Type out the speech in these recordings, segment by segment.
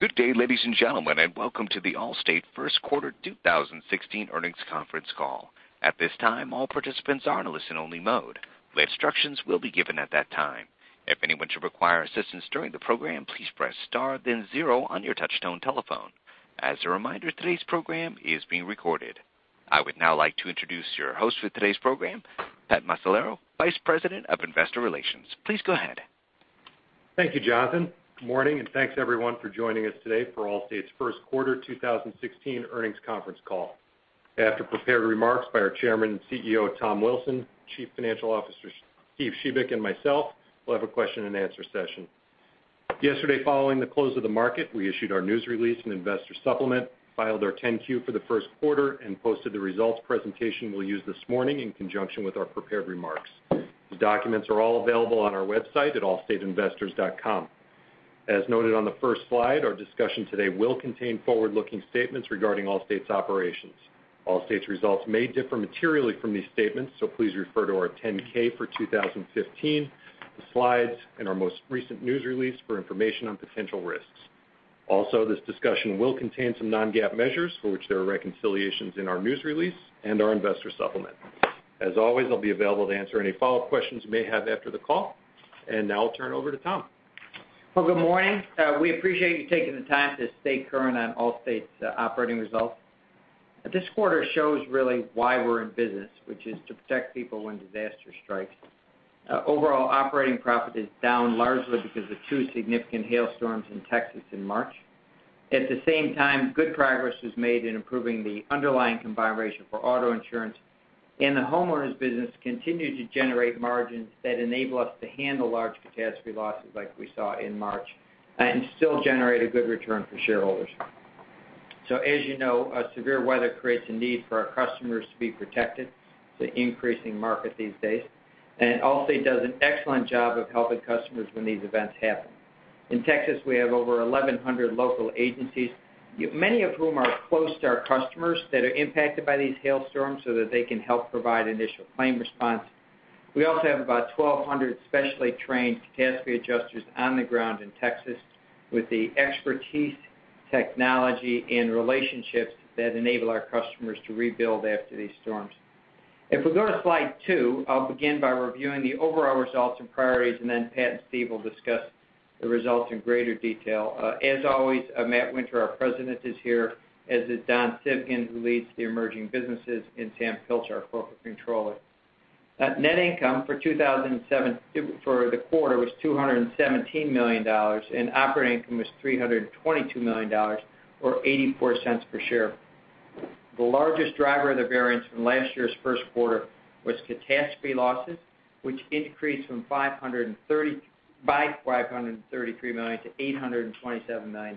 Good day, ladies and gentlemen, welcome to the Allstate first quarter 2016 earnings conference call. At this time, all participants are in a listen only mode. The instructions will be given at that time. If anyone should require assistance during the program, please press star then zero on your touchtone telephone. As a reminder, today's program is being recorded. I would now like to introduce your host for today's program, Pat Magnuson, Vice President of Investor Relations. Please go ahead. Thank you, Jonathan. Good morning, thanks everyone for joining us today for Allstate's first quarter 2016 earnings conference call. After prepared remarks by our Chairman and CEO, Tom Wilson, Chief Financial Officer, Steve Shebik, and myself, we'll have a question and answer session. Yesterday, following the close of the market, we issued our news release and investor supplement, filed our 10-Q for the first quarter, and posted the results presentation we'll use this morning in conjunction with our prepared remarks. The documents are all available on our website at allstateinvestors.com. As noted on the first slide, our discussion today will contain forward-looking statements regarding Allstate's operations. Allstate's results may differ materially from these statements, so please refer to our 10-K for 2015, the slides, and our most recent news release for information on potential risks. This discussion will contain some non-GAAP measures for which there are reconciliations in our news release and our investor supplement. As always, I'll be available to answer any follow-up questions you may have after the call. Now I'll turn over to Tom. Good morning. We appreciate you taking the time to stay current on Allstate's operating results. This quarter shows really why we're in business, which is to protect people when disaster strikes. Overall operating profit is down largely because of two significant hailstorms in Texas in March. At the same time, good progress was made in improving the underlying combined ratio for auto insurance, and the homeowners business continued to generate margins that enable us to handle large catastrophe losses like we saw in March and still generate a good return for shareholders. As you know, severe weather creates a need for our customers to be protected. It's an increasing market these days, and Allstate does an excellent job of helping customers when these events happen. In Texas, we have over 1,100 local agencies, many of whom are close to our customers that are impacted by these hailstorms so that they can help provide initial claim response. We also have about 1,200 specially trained catastrophe adjusters on the ground in Texas with the expertise, technology, and relationships that enable our customers to rebuild after these storms. If we go to slide two, I will begin by reviewing the overall results and priorities, and then Pat and Steve will discuss the results in greater detail. As always, Matthew Winter, our President, is here, as is Don Civgin, who leads the Emerging Businesses, and Samuel Pilcher, our Corporate Controller. Net income for the quarter was $217 million, and operating income was $322 million, or $0.84 per share. The largest driver of the variance from last year's first quarter was catastrophe losses, which increased by $533 million to $827 million.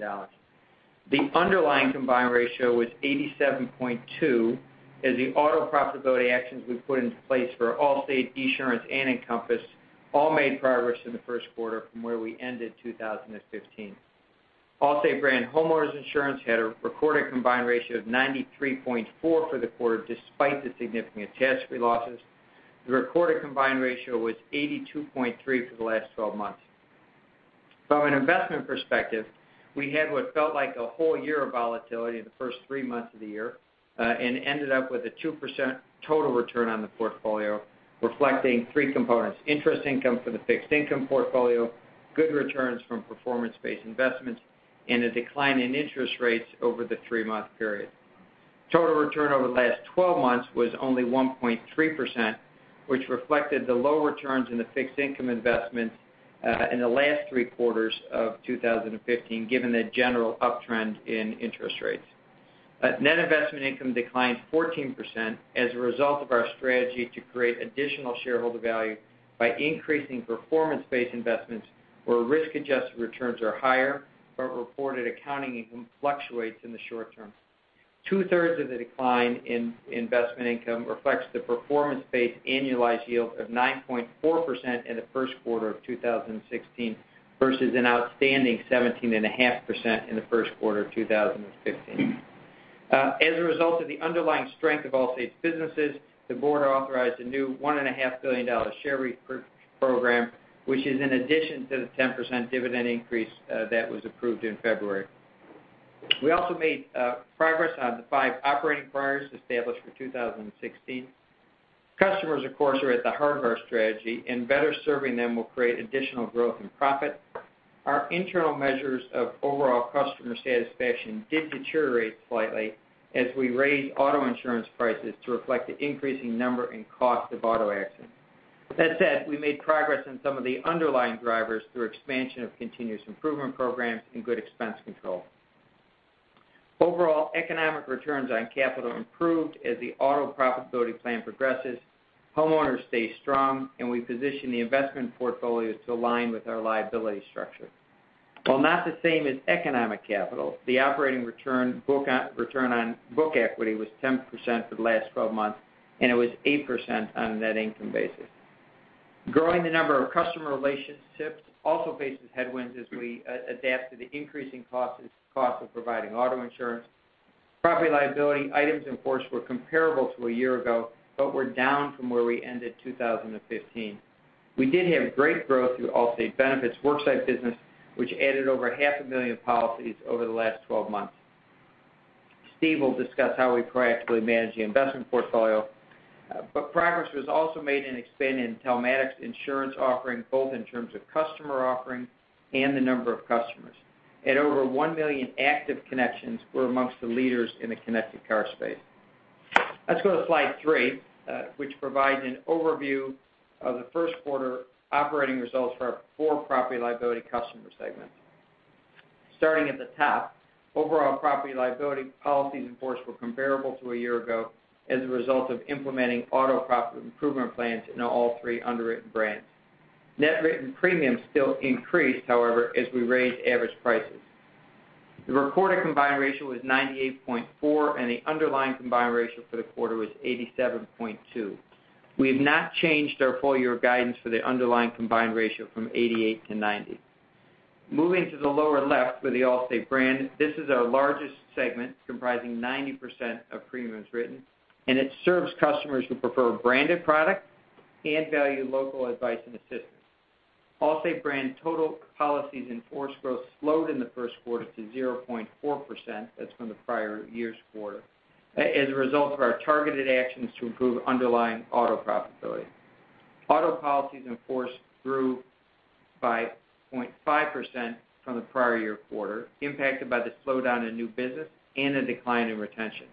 The underlying combined ratio was 87.2% as the auto profitability actions we have put into place for Allstate, Esurance, and Encompass all made progress in the first quarter from where we ended 2015. Allstate brand homeowners insurance had a recorded combined ratio of 93.4% for the quarter, despite the significant catastrophe losses. The recorded combined ratio was 82.3% for the last 12 months. From an investment perspective, we had what felt like a whole year of volatility in the first three months of the year and ended up with a 2% total return on the portfolio, reflecting three components: interest income for the fixed income portfolio, good returns from performance-based investments, and a decline in interest rates over the three-month period. Total return over the last 12 months was only 1.3%, which reflected the low returns in the fixed income investments in the last three quarters of 2015, given the general uptrend in interest rates. Net investment income declined 14% as a result of our strategy to create additional shareholder value by increasing performance-based investments where risk-adjusted returns are higher, but reported accounting income fluctuates in the short term. Two-thirds of the decline in investment income reflects the performance-based annualized yield of 9.4% in the first quarter of 2016 versus an outstanding 17.5% in the first quarter of 2015. As a result of the underlying strength of Allstate's businesses, the board authorized a new $1.5 billion share repurchase program, which is in addition to the 10% dividend increase that was approved in February. We also made progress on the five operating priorities established for 2016. Customers, of course, are at the heart of our strategy, and better serving them will create additional growth and profit. Our internal measures of overall customer satisfaction did deteriorate slightly as we raised auto insurance prices to reflect the increasing number and cost of auto accidents. That said, we made progress on some of the underlying drivers through expansion of continuous improvement programs and good expense control. Overall, economic returns on capital improved as the auto profitability plan progresses, homeowners stay strong, and we position the investment portfolios to align with our liability structure. While not the same as economic capital, the operating return on book equity was 10% for the last 12 months, and it was 8% on a net income basis. Growing the number of customer relationships also faces headwinds as we adapt to the increasing cost of providing auto insurance. Property liability policies in force were comparable to a year ago, but were down from where we ended 2015. We did have great growth through Allstate Benefits worksite business, which added over half a million policies over the last 12 months. Steve will discuss how we proactively manage the investment portfolio. Progress was also made in expanding telematics insurance offering, both in terms of customer offering and the number of customers. At over 1 million active connections, we're amongst the leaders in the connected car space. Let's go to slide three, which provides an overview of the first quarter operating results for our four property and liability customer segments. Starting at the top, overall property and liability policies in force were comparable to a year ago as a result of implementing auto profit improvement plans in all three underwritten brands. Net written premiums still increased, however, as we raised average prices. The recorded combined ratio was 98.4, and the underlying combined ratio for the quarter was 87.2. We have not changed our full year guidance for the underlying combined ratio from 88-90. Moving to the lower left for the Allstate brand, this is our largest segment comprising 90% of premiums written, and it serves customers who prefer a branded product and value local advice and assistance. Allstate brand total policies in force growth slowed in the first quarter to 0.4%, that's from the prior year's quarter, as a result of our targeted actions to improve underlying auto profitability. Auto policies in force grew by 0.5% from the prior year quarter, impacted by the slowdown in new business and a decline in retention.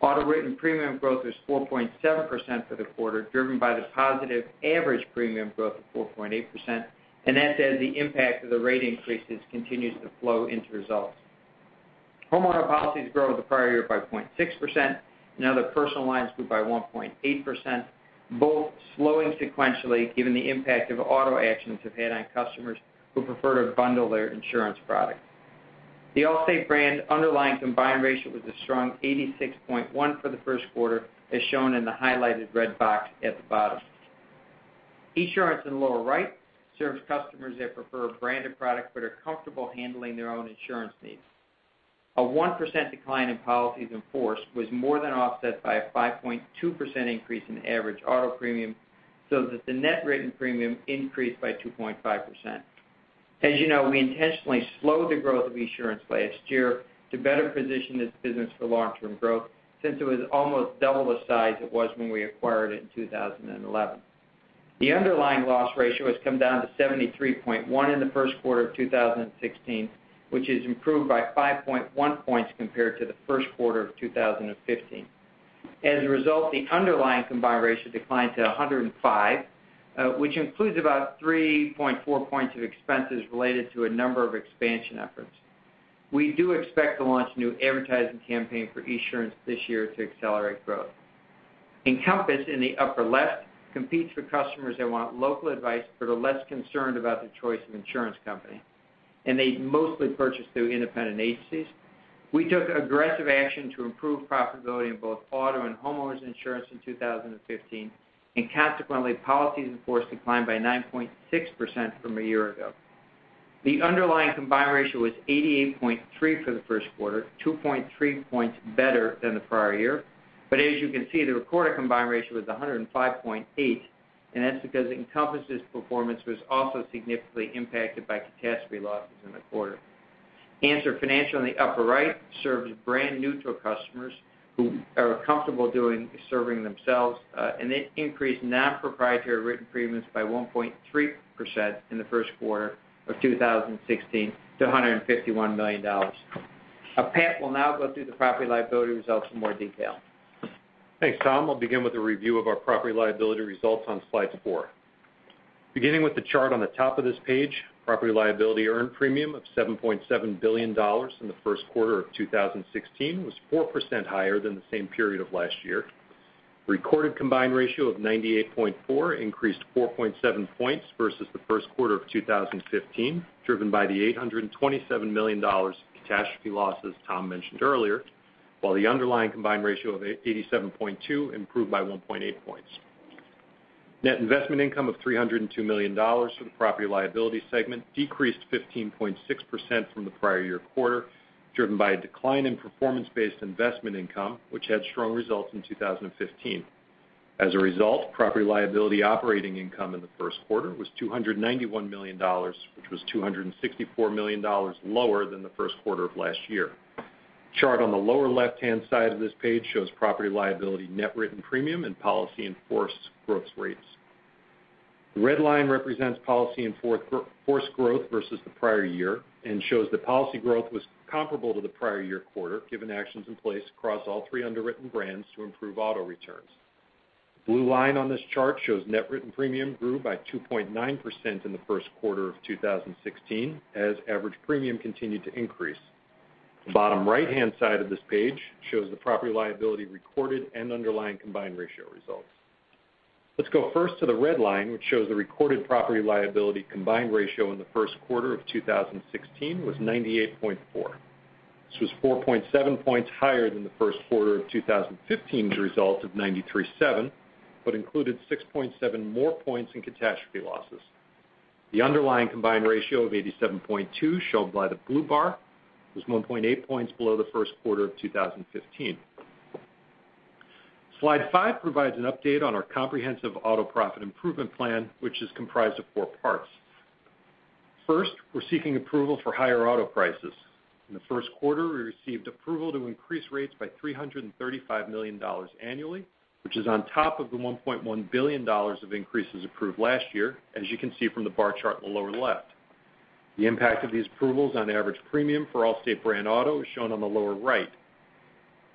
Auto written premium growth was 4.7% for the quarter, driven by the positive average premium growth of 4.8%, and that's as the impact of the rate increases continues to flow into results. Homeowner policies grew the prior year by 0.6%, and other personal lines grew by 1.8%, both slowing sequentially given the impact of auto actions have had on customers who prefer to bundle their insurance products. The Allstate brand underlying combined ratio was a strong 86.1 for the first quarter, as shown in the highlighted red box at the bottom. Esurance in lower right serves customers that prefer a branded product but are comfortable handling their own insurance needs. A 1% decline in policies in force was more than offset by a 5.2% increase in average auto premium. The net written premium increased by 2.5%. As you know, we intentionally slowed the growth of Esurance last year to better position this business for long-term growth, since it was almost double the size it was when we acquired it in 2011. The underlying loss ratio has come down to 73.1 in the first quarter of 2016, which is improved by 5.1 points compared to the first quarter of 2015. As a result, the underlying combined ratio declined to 105, which includes about 3.4 points of expenses related to a number of expansion efforts. We do expect to launch a new advertising campaign for Esurance this year to accelerate growth. Encompass, in the upper left, competes for customers that want local advice but are less concerned about their choice of insurance company. They mostly purchase through independent agencies. We took aggressive action to improve profitability in both auto and homeowners insurance in 2015. Consequently, policies in force declined by 9.6% from a year ago. The underlying combined ratio was 88.3 for the first quarter, 2.3 points better than the prior year. As you can see, the recorded combined ratio was 105.8, and that's because Encompass's performance was also significantly impacted by catastrophe losses in the quarter. Answer Financial in the upper right serves brand neutral customers who are comfortable serving themselves. They increased non-proprietary written premiums by 1.3% in the first quarter of 2016 to $151 million. Pat will now go through the property and liability results in more detail. Thanks, Tom. I'll begin with a review of our property and liability results on slide four. Beginning with the chart on the top of this page, property and liability earned premium of $7.7 billion in the first quarter of 2016 was 4% higher than the same period of last year. Recorded combined ratio of 98.4 increased 4.7 points versus the first quarter of 2015, driven by the $827 million of catastrophe losses Tom mentioned earlier, while the underlying combined ratio of 87.2 improved by 1.8 points. Net investment income of $302 million for the property and liability segment decreased 15.6% from the prior year quarter, driven by a decline in performance-based investment income, which had strong results in 2015. As a result, property and liability operating income in the first quarter was $291 million, which was $264 million lower than the first quarter of last year. Chart on the lower left-hand side of this page shows property and liability net written premium and policy in force growth rates. The red line represents policy in force growth versus the prior year and shows that policy growth was comparable to the prior year quarter, given actions in place across all three underwritten brands to improve auto returns. The blue line on this chart shows net written premium grew by 2.9% in the first quarter of 2016, as average premium continued to increase. The bottom right-hand side of this page shows the property and liability recorded and underlying combined ratio results. Let's go first to the red line, which shows the recorded property and liability combined ratio in the first quarter of 2016 was 98.4. This was 4.7 points higher than the first quarter of 2015's result of 93.7, but included 6.7 more points in catastrophe losses. The underlying combined ratio of 87.2 shown by the blue bar was 1.8 points below the first quarter of 2015. Slide five provides an update on our comprehensive auto profit improvement plan, which is comprised of four parts. First, we're seeking approval for higher auto prices. In the first quarter, we received approval to increase rates by $335 million annually, which is on top of the $1.1 billion of increases approved last year, as you can see from the bar chart on the lower left. The impact of these approvals on average premium for Allstate brand auto is shown on the lower right.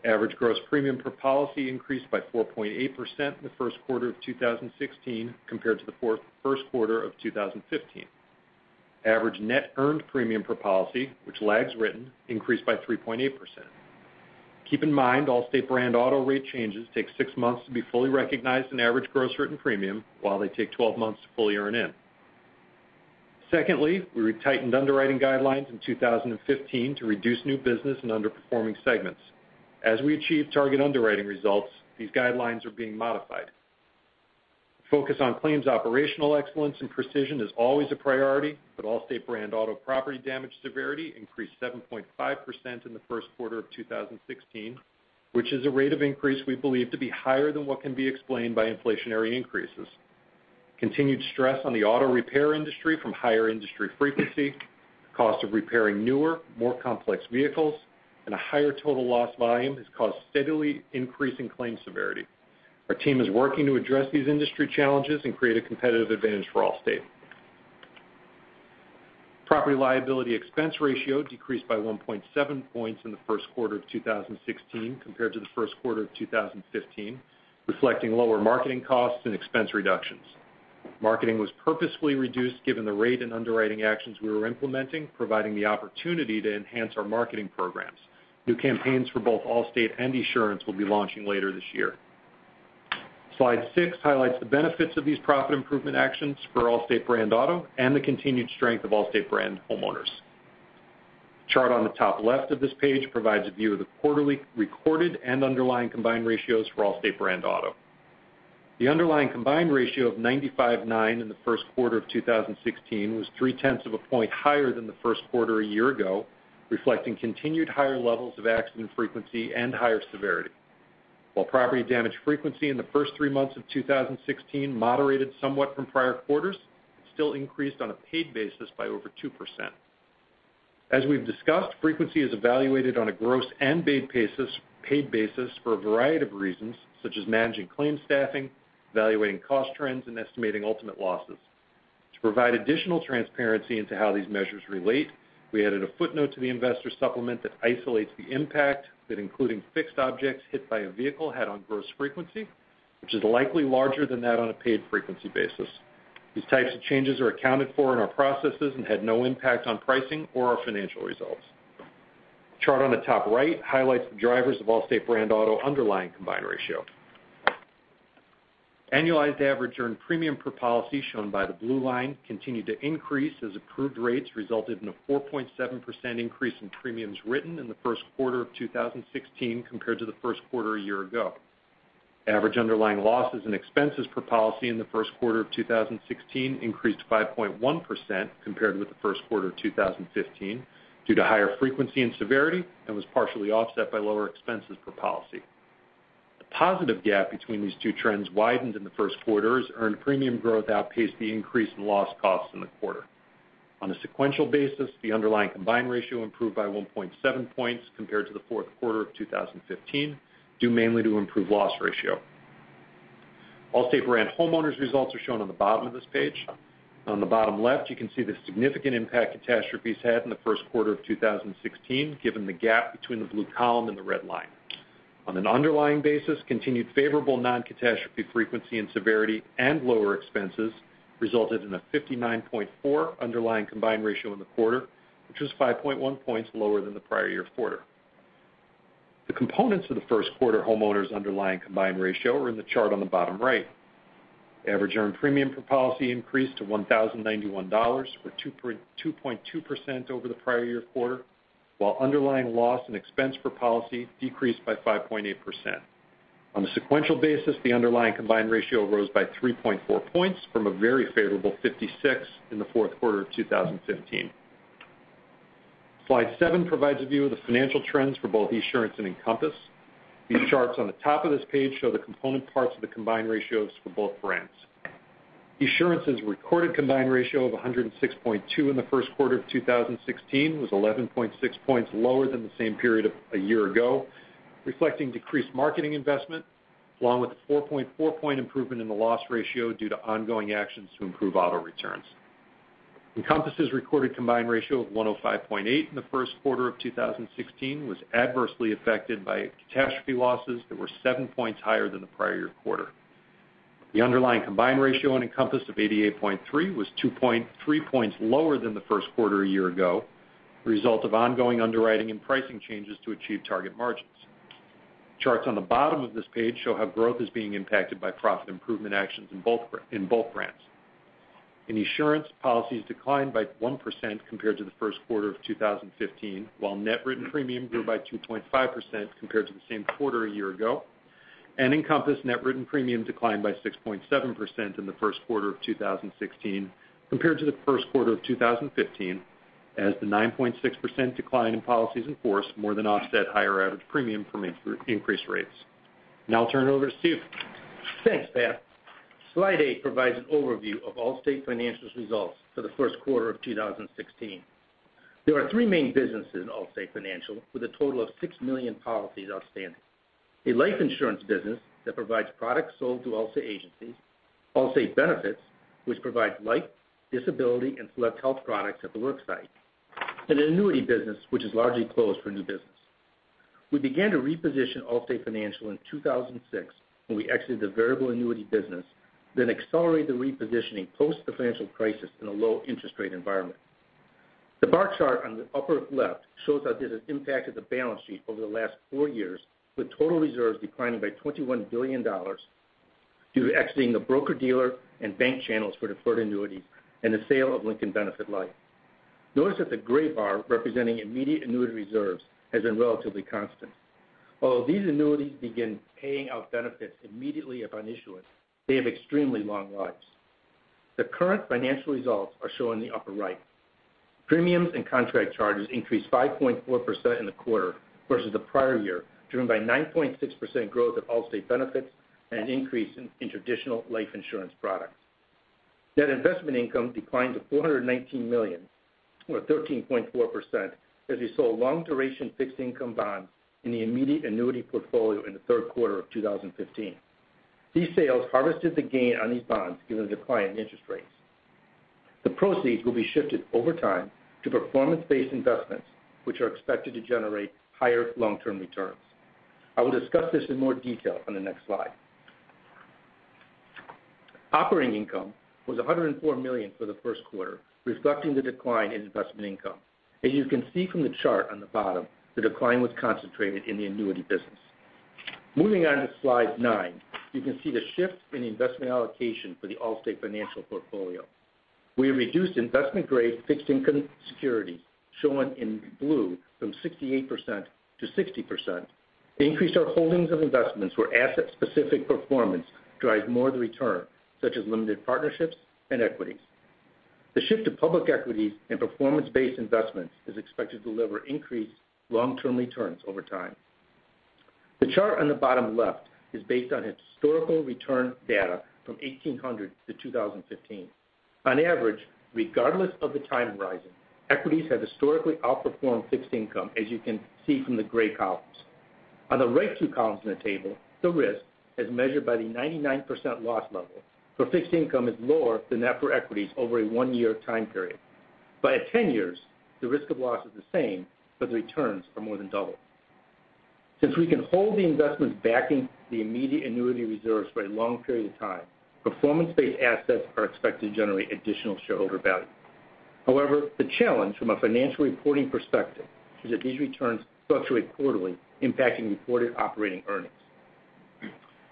Average gross premium per policy increased by 4.8% in the first quarter of 2016 compared to the first quarter of 2015. Average net earned premium per policy, which lags written, increased by 3.8%. Keep in mind, Allstate brand auto rate changes take 6 months to be fully recognized in average gross written premium while they take 12 months to fully earn in. We retightened underwriting guidelines in 2015 to reduce new business in underperforming segments. As we achieve target underwriting results, these guidelines are being modified. Focus on claims operational excellence and precision is always a priority, but Allstate brand auto property damage severity increased 7.5% in the first quarter of 2016, which is a rate of increase we believe to be higher than what can be explained by inflationary increases. Continued stress on the auto repair industry from higher industry frequency, cost of repairing newer, more complex vehicles, and a higher total loss volume has caused steadily increasing claim severity. Our team is working to address these industry challenges and create a competitive advantage for Allstate. Property liability expense ratio decreased by 1.7 points in the first quarter of 2016 compared to the first quarter of 2015, reflecting lower marketing costs and expense reductions. Marketing was purposefully reduced given the rate and underwriting actions we were implementing, providing the opportunity to enhance our marketing programs. New campaigns for both Allstate and Esurance will be launching later this year. Slide six highlights the benefits of these profit improvement actions for Allstate brand auto and the continued strength of Allstate brand homeowners. The chart on the top left of this page provides a view of the quarterly recorded and underlying combined ratios for Allstate brand auto. The underlying combined ratio of 95.9 in the first quarter of 2016 was three-tenths of a point higher than the first quarter a year ago, reflecting continued higher levels of accident frequency and higher severity. While property damage frequency in the first three months of 2016 moderated somewhat from prior quarters, it still increased on a paid basis by over 2%. As we've discussed, frequency is evaluated on a gross and paid basis for a variety of reasons, such as managing claims staffing, evaluating cost trends, and estimating ultimate losses. To provide additional transparency into how these measures relate, we added a footnote to the investor supplement that isolates the impact that including fixed objects hit by a vehicle had on gross frequency, which is likely larger than that on a paid frequency basis. These types of changes are accounted for in our processes and had no impact on pricing or our financial results. The chart on the top right highlights the drivers of Allstate brand auto underlying combined ratio. Annualized average earned premium per policy, shown by the blue line, continued to increase as approved rates resulted in a 4.7% increase in premiums written in the first quarter of 2016 compared to the first quarter a year ago. Average underlying losses and expenses per policy in the first quarter of 2016 increased 5.1% compared with the first quarter of 2015 due to higher frequency and severity and was partially offset by lower expenses per policy. The positive gap between these two trends widened in the first quarter as earned premium growth outpaced the increase in loss costs in the quarter. On a sequential basis, the underlying combined ratio improved by 1.7 points compared to the fourth quarter of 2015, due mainly to improved loss ratio. Allstate brand homeowners results are shown on the bottom of this page. On the bottom left, you can see the significant impact catastrophes had in the first quarter of 2016, given the gap between the blue column and the red line. On an underlying basis, continued favorable non-catastrophe frequency and severity and lower expenses resulted in a 59.4 underlying combined ratio in the quarter, which was 5.1 points lower than the prior year quarter. The components of the first quarter homeowners' underlying combined ratio are in the chart on the bottom right. Average earned premium per policy increased to $1,091, or 2.2% over the prior year quarter, while underlying loss and expense per policy decreased by 5.8%. On a sequential basis, the underlying combined ratio rose by 3.4 points from a very favorable 56 in the fourth quarter of 2015. Slide seven provides a view of the financial trends for both Esurance and Encompass. These charts on the top of this page show the component parts of the combined ratios for both brands. Esurance's recorded combined ratio of 106.2 in the first quarter of 2016 was 11.6 points lower than the same period a year ago, reflecting decreased marketing investment, along with a 4.4 point improvement in the loss ratio due to ongoing actions to improve auto returns. Encompass' recorded combined ratio of 105.8 in the first quarter of 2016 was adversely affected by catastrophe losses that were seven points higher than the prior year quarter. The underlying combined ratio on Encompass of 88.3 was 2.3 points lower than the first quarter a year ago, a result of ongoing underwriting and pricing changes to achieve target margins. Charts on the bottom of this page show how growth is being impacted by profit improvement actions in both brands. In Esurance, policies declined by 1% compared to the first quarter of 2015, while net written premium grew by 2.5% compared to the same quarter a year ago. Encompass net written premium declined by 6.7% in the first quarter of 2016 compared to the first quarter of 2015, as the 9.6% decline in policies in force more than offset higher average premium from increased rates. Now I'll turn it over to Steve. Thanks, Pat. Slide eight provides an overview of Allstate Financial's results for the first quarter of 2016. There are three main businesses in Allstate Financial, with a total of six million policies outstanding. A life insurance business that provides products sold through Allstate agencies. Allstate Benefits, which provides life, disability, and select health products at the worksite. An annuity business, which is largely closed for new business. We began to reposition Allstate Financial in 2006 when we exited the variable annuity business, then accelerated the repositioning post the financial crisis in a low interest rate environment. The bar chart on the upper left shows how this has impacted the balance sheet over the last four years, with total reserves declining by $21 billion due to exiting the broker-dealer and bank channels for deferred annuities and the sale of Lincoln Benefit Life. Notice that the gray bar representing immediate annuity reserves has been relatively constant. Although these annuities begin paying out benefits immediately upon issuance, they have extremely long lives. The current financial results are shown in the upper right. Premiums and contract charges increased 5.4% in the quarter versus the prior year, driven by 9.6% growth at Allstate Benefits and an increase in traditional life insurance products. Net investment income declined to $419 million, or 13.4%, as we saw long-duration fixed income bonds in the immediate annuity portfolio in the third quarter of 2015. These sales harvested the gain on these bonds given the decline in interest rates. The proceeds will be shifted over time to performance-based investments, which are expected to generate higher long-term returns. I will discuss this in more detail on the next slide. Operating income was $104 million for the first quarter, reflecting the decline in investment income. As you can see from the chart on the bottom, the decline was concentrated in the annuity business. Moving on to slide nine, you can see the shift in investment allocation for the Allstate Financial portfolio. We reduced investment-grade fixed income securities, shown in blue, from 68% to 60%, and increased our holdings of investments where asset-specific performance drives more of the return, such as limited partnerships and equities. The shift to public equities and performance-based investments is expected to deliver increased long-term returns over time. The chart on the bottom left is based on historical return data from 1800 to 2015. On average, regardless of the time horizon, equities have historically outperformed fixed income, as you can see from the gray columns. On the right two columns in the table, the risk, as measured by the 99% loss level, for fixed income is lower than that for equities over a one-year time period. At 10 years, the risk of loss is the same, but the returns are more than double. Since we can hold the investments backing the immediate annuity reserves for a long period of time, performance-based assets are expected to generate additional shareholder value. However, the challenge from a financial reporting perspective is that these returns fluctuate quarterly, impacting reported operating earnings.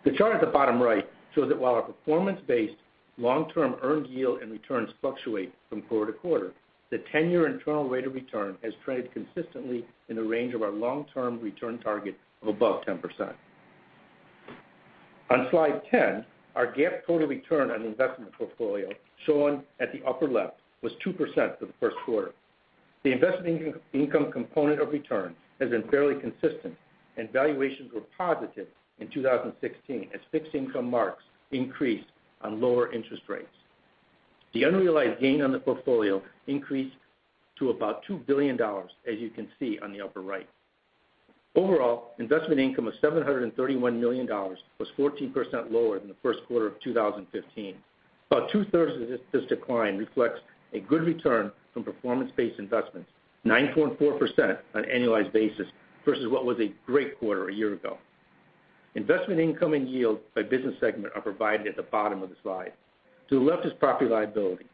The chart at the bottom right shows that while our performance-based long-term earned yield and returns fluctuate from quarter to quarter, the 10-year internal rate of return has traded consistently in the range of our long-term return target of above 10%. On slide 10, our GAAP total return on investment portfolio, shown at the upper left, was 2% for the first quarter. The investment income component of return has been fairly consistent, and valuations were positive in 2016 as fixed income marks increased on lower interest rates. The unrealized gain on the portfolio increased to about $2 billion, as you can see on the upper right. Overall, investment income of $731 million was 14% lower than the first quarter of 2015. About two-thirds of this decline reflects a good return from performance-based investments, 9.4% on an annualized basis, versus what was a great quarter a year ago. Investment income and yield by business segment are provided at the bottom of the slide. To the left is property liability.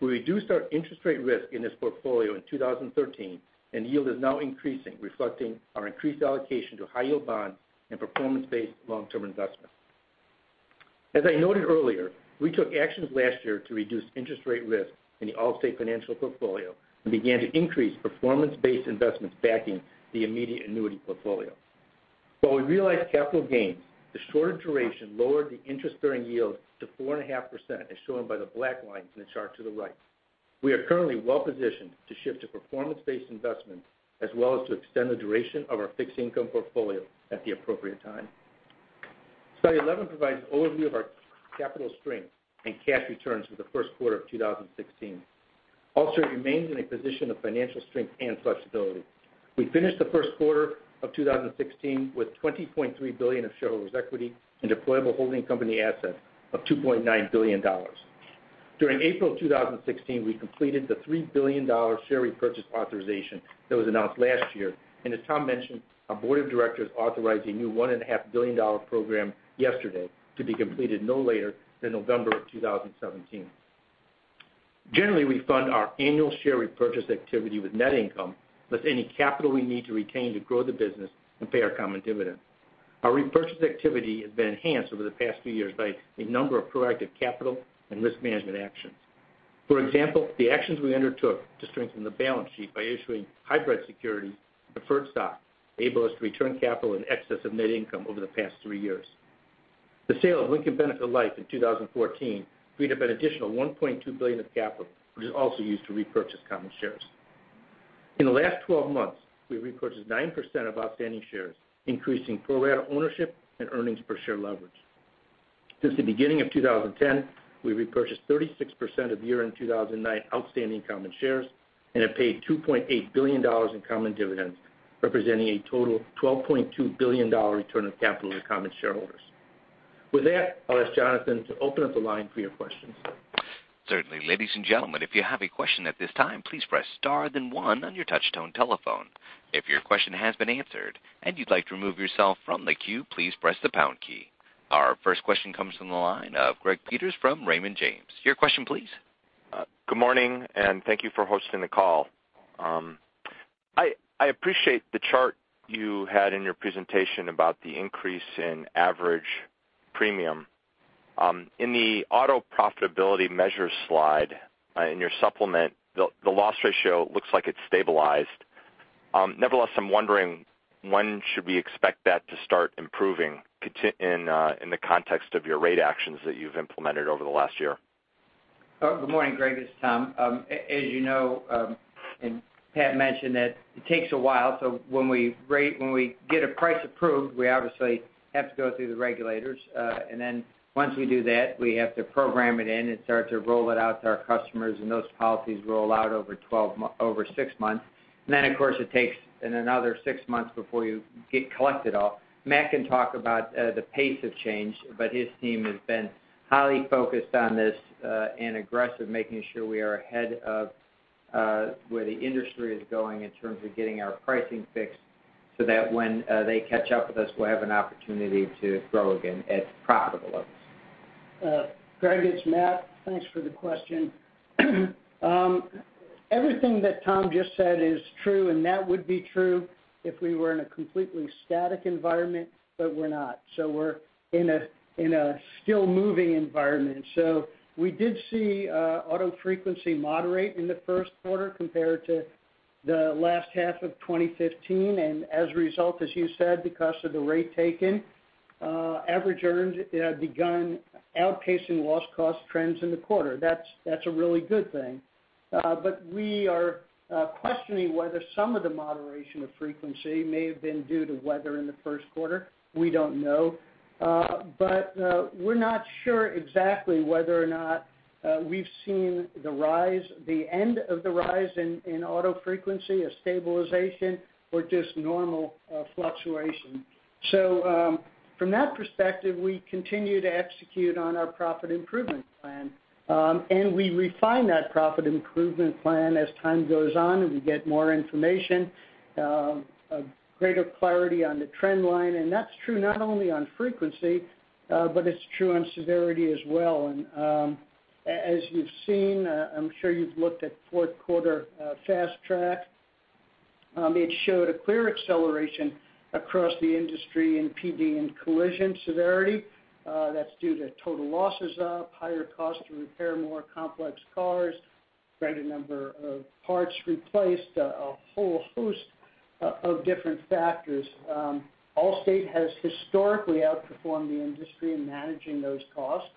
We reduced our interest rate risk in this portfolio in 2013. Yield is now increasing, reflecting our increased allocation to high-yield bonds and performance-based long-term investments. As I noted earlier, we took actions last year to reduce interest rate risk in the Allstate Financial portfolio and began to increase performance-based investments backing the immediate annuity portfolio. While we realized capital gains, the shorter duration lowered the interest-bearing yield to 4.5%, as shown by the black line in the chart to the right. We are currently well-positioned to shift to performance-based investments, as well as to extend the duration of our fixed income portfolio at the appropriate time. Slide 11 provides an overview of our capital strength and cash returns for the first quarter of 2016. Allstate remains in a position of financial strength and flexibility. We finished the first quarter of 2016 with $20.3 billion of shareholders' equity and deployable holding company assets of $2.9 billion. During April 2016, we completed the $3 billion share repurchase authorization that was announced last year. As Tom mentioned, our board of directors authorized a new $1.5 billion program yesterday to be completed no later than November of 2017. Generally, we fund our annual share repurchase activity with net income, plus any capital we need to retain to grow the business and pay our common dividend. Our repurchase activity has been enhanced over the past few years by a number of proactive capital and risk management actions. For example, the actions we undertook to strengthen the balance sheet by issuing hybrid security preferred stock enable us to return capital in excess of net income over the past three years. The sale of Lincoln Benefit Life in 2014 freed up an additional $1.2 billion of capital, which is also used to repurchase common shares. In the last 12 months, we've repurchased 9% of outstanding shares, increasing pro rata ownership and earnings per share leverage. Since the beginning of 2010, we've repurchased 36% of year-end 2009 outstanding common shares and have paid $2.8 billion in common dividends, representing a total $12.2 billion return of capital to common shareholders. With that, I'll ask Jonathan to open up the line for your questions. Certainly. Ladies and gentlemen, if you have a question at this time, please press star then one on your touch-tone telephone. If your question has been answered and you'd like to remove yourself from the queue, please press the pound key. Our first question comes from the line of Greg Peters from Raymond James. Your question please. Good morning, and thank you for hosting the call. I appreciate the chart you had in your presentation about the increase in average premium. In the auto profitability measures slide in your supplement, the loss ratio looks like it's stabilized. Nevertheless, I'm wondering, when should we expect that to start improving in the context of your rate actions that you've implemented over the last year? Good morning, Greg. It's Tom. As you know, and Pat mentioned that it takes a while. When we get a price approved, we obviously have to go through the regulators. Once we do that, we have to program it in and start to roll it out to our customers, and those policies roll out over six months. Of course, it takes another six months before you get collected all. Matt can talk about the pace of change, but his team has been highly focused on this, and aggressive making sure we are ahead of where the industry is going in terms of getting our pricing fixed so that when they catch up with us, we'll have an opportunity to grow again at profitable levels. Greg, it's Matt. Thanks for the question. Everything that Tom just said is true, and that would be true if we were in a completely static environment, but we're not. We're in a still moving environment. We did see auto frequency moderate in the first quarter compared to the last half of 2015, and as a result, as you said, because of the rate taken, average earned had begun outpacing loss cost trends in the quarter. That's a really good thing. We are questioning whether some of the moderation of frequency may have been due to weather in the first quarter. We don't know. We're not sure exactly whether or not we've seen the end of the rise in auto frequency, a stabilization or just normal fluctuation. From that perspective, we continue to execute on our profit improvement plan, and we refine that profit improvement plan as time goes on and we get more information, greater clarity on the trend line. That's true not only on frequency, but it's true on severity as well. As you've seen, I'm sure you've looked at fourth quarter Fast Track. It showed a clear acceleration across the industry in PD and collision severity. That's due to total losses up, higher cost to repair more complex cars, greater number of parts replaced, a whole host of different factors. Allstate has historically outperformed the industry in managing those costs.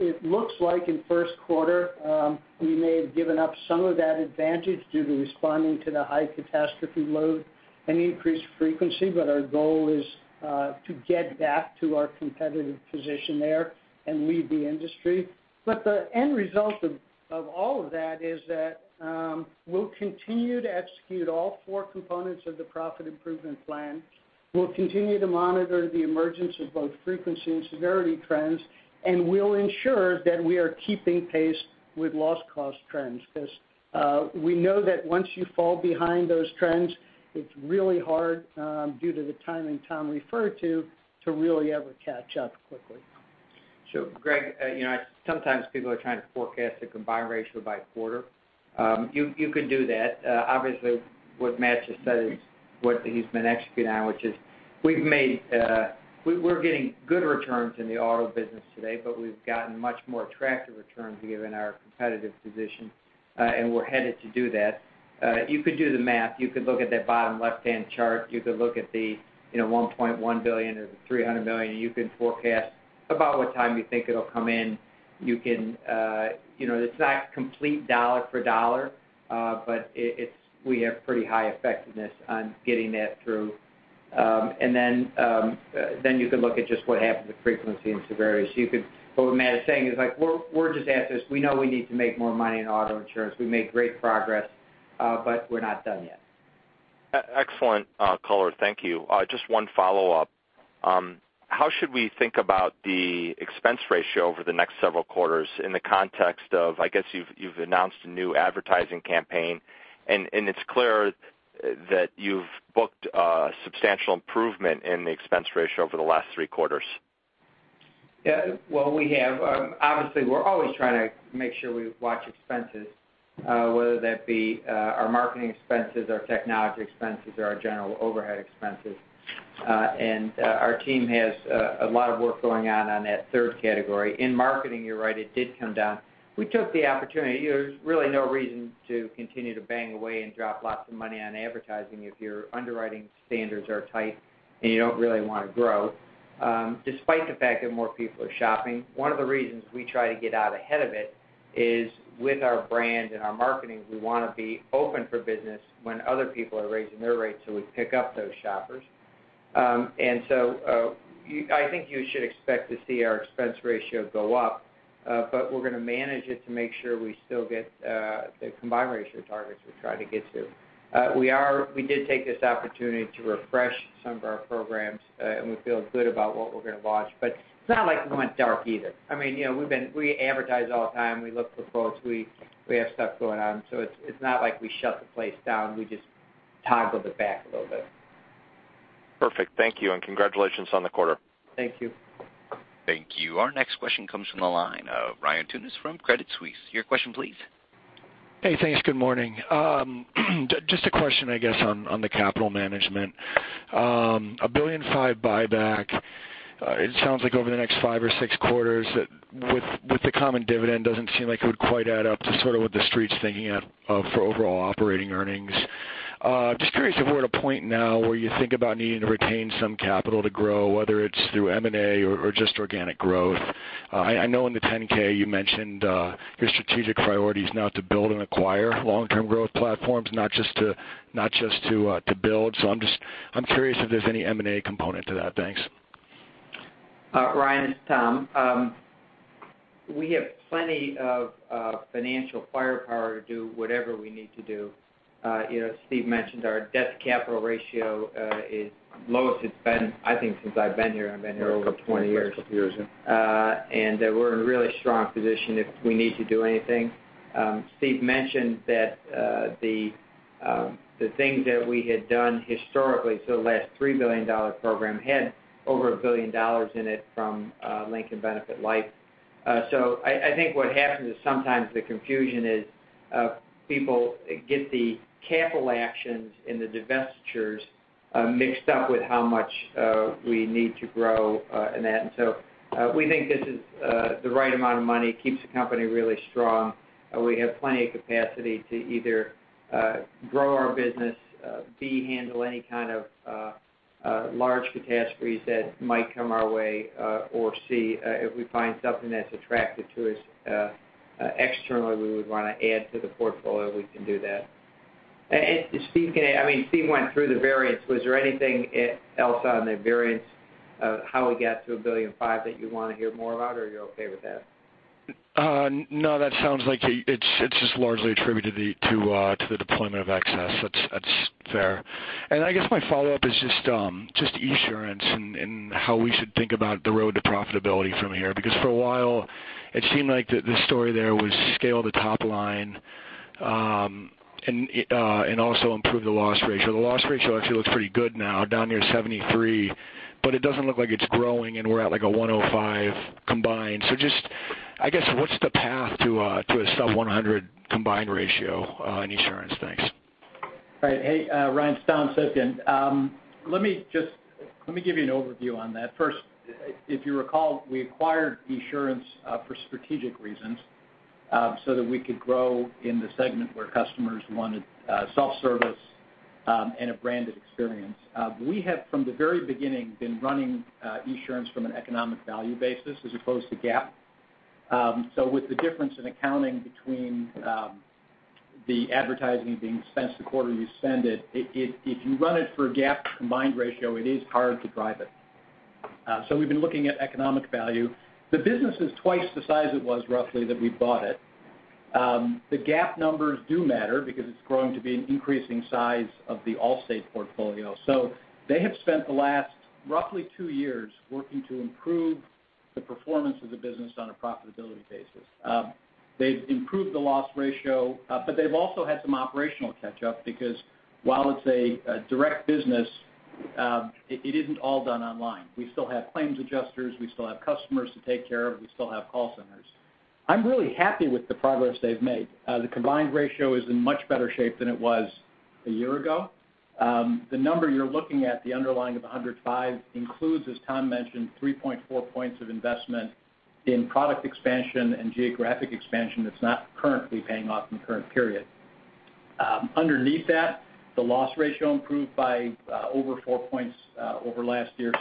It looks like in first quarter, we may have given up some of that advantage due to responding to the high cat load and increased frequency. Our goal is to get back to our competitive position there and lead the industry. The end result of all of that is that we'll continue to execute all four components of the profit improvement plan. We'll continue to monitor the emergence of both frequency and severity trends, and we'll ensure that we are keeping pace with loss cost trends, because we know that once you fall behind those trends, it's really hard due to the timing Tom referred to really ever catch up quickly. Greg, sometimes people are trying to forecast the combined ratio by quarter. You could do that. Obviously, what Matt just said is what he's been executing on, which is we're getting good returns in the auto business today, but we've gotten much more attractive returns given our competitive position, and we're headed to do that. You could do the math. You could look at that bottom left-hand chart. You could look at the $1.1 billion or the $300 million, and you can forecast about what time you think it'll come in. It's not complete dollar for dollar, but we have pretty high effectiveness on getting that through. You could look at just what happened with frequency and severity. What Matt is saying is we're just at this. We know we need to make more money in auto insurance. We made great progress, but we're not done yet. Excellent color. Thank you. Just one follow-up. How should we think about the expense ratio over the next several quarters in the context of, I guess, you've announced a new advertising campaign, and it's clear that you've booked a substantial improvement in the expense ratio over the last three quarters? We have. Obviously, we're always trying to make sure we watch expenses, whether that be our marketing expenses, our technology expenses, or our general overhead expenses. Our team has a lot of work going on that third category. In marketing, you're right, it did come down. We took the opportunity. There's really no reason to continue to bang away and drop lots of money on advertising if your underwriting standards are tight and you don't really want to grow. Despite the fact that more people are shopping, one of the reasons we try to get out ahead of it is with our brand and our marketing, we want to be open for business when other people are raising their rates, so we pick up those shoppers. I think you should expect to see our expense ratio go up, we're going to manage it to make sure we still get the combined ratio targets we're trying to get to. We did take this opportunity to refresh some of our programs, and we feel good about what we're going to launch. It's not like we went dark either. We advertise all the time. We look for folks. We have stuff going on, so it's not like we shut the place down. We just toggled it back a little bit. Perfect. Thank you, and congratulations on the quarter. Thank you. Thank you. Our next question comes from the line of Ryan Tunis from Credit Suisse. Your question, please. Hey, thanks. Good morning. Just a question, I guess, on the capital management. A $1.5 billion buyback. It sounds like over the next five or six quarters that with the common dividend, doesn't seem like it would quite add up to sort of what the street's thinking for overall operating earnings. Just curious if we're at a point now where you think about needing to retain some capital to grow, whether it's through M&A or just organic growth. I know in the Form 10-K, you mentioned your strategic priority is now to build and acquire long-term growth platforms, not just to build. I'm curious if there's any M&A component to that. Thanks. Ryan, it's Tom. We have plenty of financial firepower to do whatever we need to do. As Steve mentioned, our debt to capital ratio is lowest it's been, I think, since I've been here. I've been here over 20 years. Last couple of years, yeah. We're in a really strong position if we need to do anything. Steve mentioned that the things that we had done historically, the last $3 billion program had over $1 billion in it from Lincoln Benefit Life. I think what happens is sometimes the confusion is people get the capital actions and the divestitures mixed up with how much we need to grow and that. We think this is the right amount of money. It keeps the company really strong. We have plenty of capacity to either grow our business, b, handle any kind of large catastrophes that might come our way, or c, if we find something that's attractive to us externally we would want to add to the portfolio, we can do that. Steve went through the variance. Was there anything else on the variance of how we got to $1.5 billion that you want to hear more about, or are you okay with that? That sounds like it's just largely attributed to the deployment of excess. That's fair. I guess my follow-up is just Esurance and how we should think about the road to profitability from here. For a while, it seemed like the story there was scale the top line, and also improve the loss ratio. The loss ratio actually looks pretty good now, down near 73, but it doesn't look like it's growing, and we're at, like, a 105 combined. Just, I guess, what's the path to a sub 100 combined ratio on Esurance? Thanks. Right. Hey, Ryan. It's Tom Wilson. Let me give you an overview on that. First, if you recall, we acquired Esurance for strategic reasons so that we could grow in the segment where customers wanted self-service and a branded experience. We have, from the very beginning, been running Esurance from an economic value basis as opposed to GAAP. With the difference in accounting between the advertising being spent the quarter you spend it, if you run it for a GAAP combined ratio, it is hard to drive it. We've been looking at economic value. The business is twice the size it was roughly that we bought it. The GAAP numbers do matter because it's growing to be an increasing size of the Allstate portfolio. They have spent the last roughly two years working to improve the performance of the business on a profitability basis. They've improved the loss ratio, they've also had some operational catch-up. While it's a direct business, it isn't all done online. We still have claims adjusters. We still have customers to take care of. We still have call centers. I'm really happy with the progress they've made. The combined ratio is in much better shape than it was a year ago. The number you're looking at, the underlying of 105, includes, as Tom mentioned, 3.4 points of investment in product expansion and geographic expansion that's not currently paying off in the current period. Underneath that, the loss ratio improved by over four points over last year.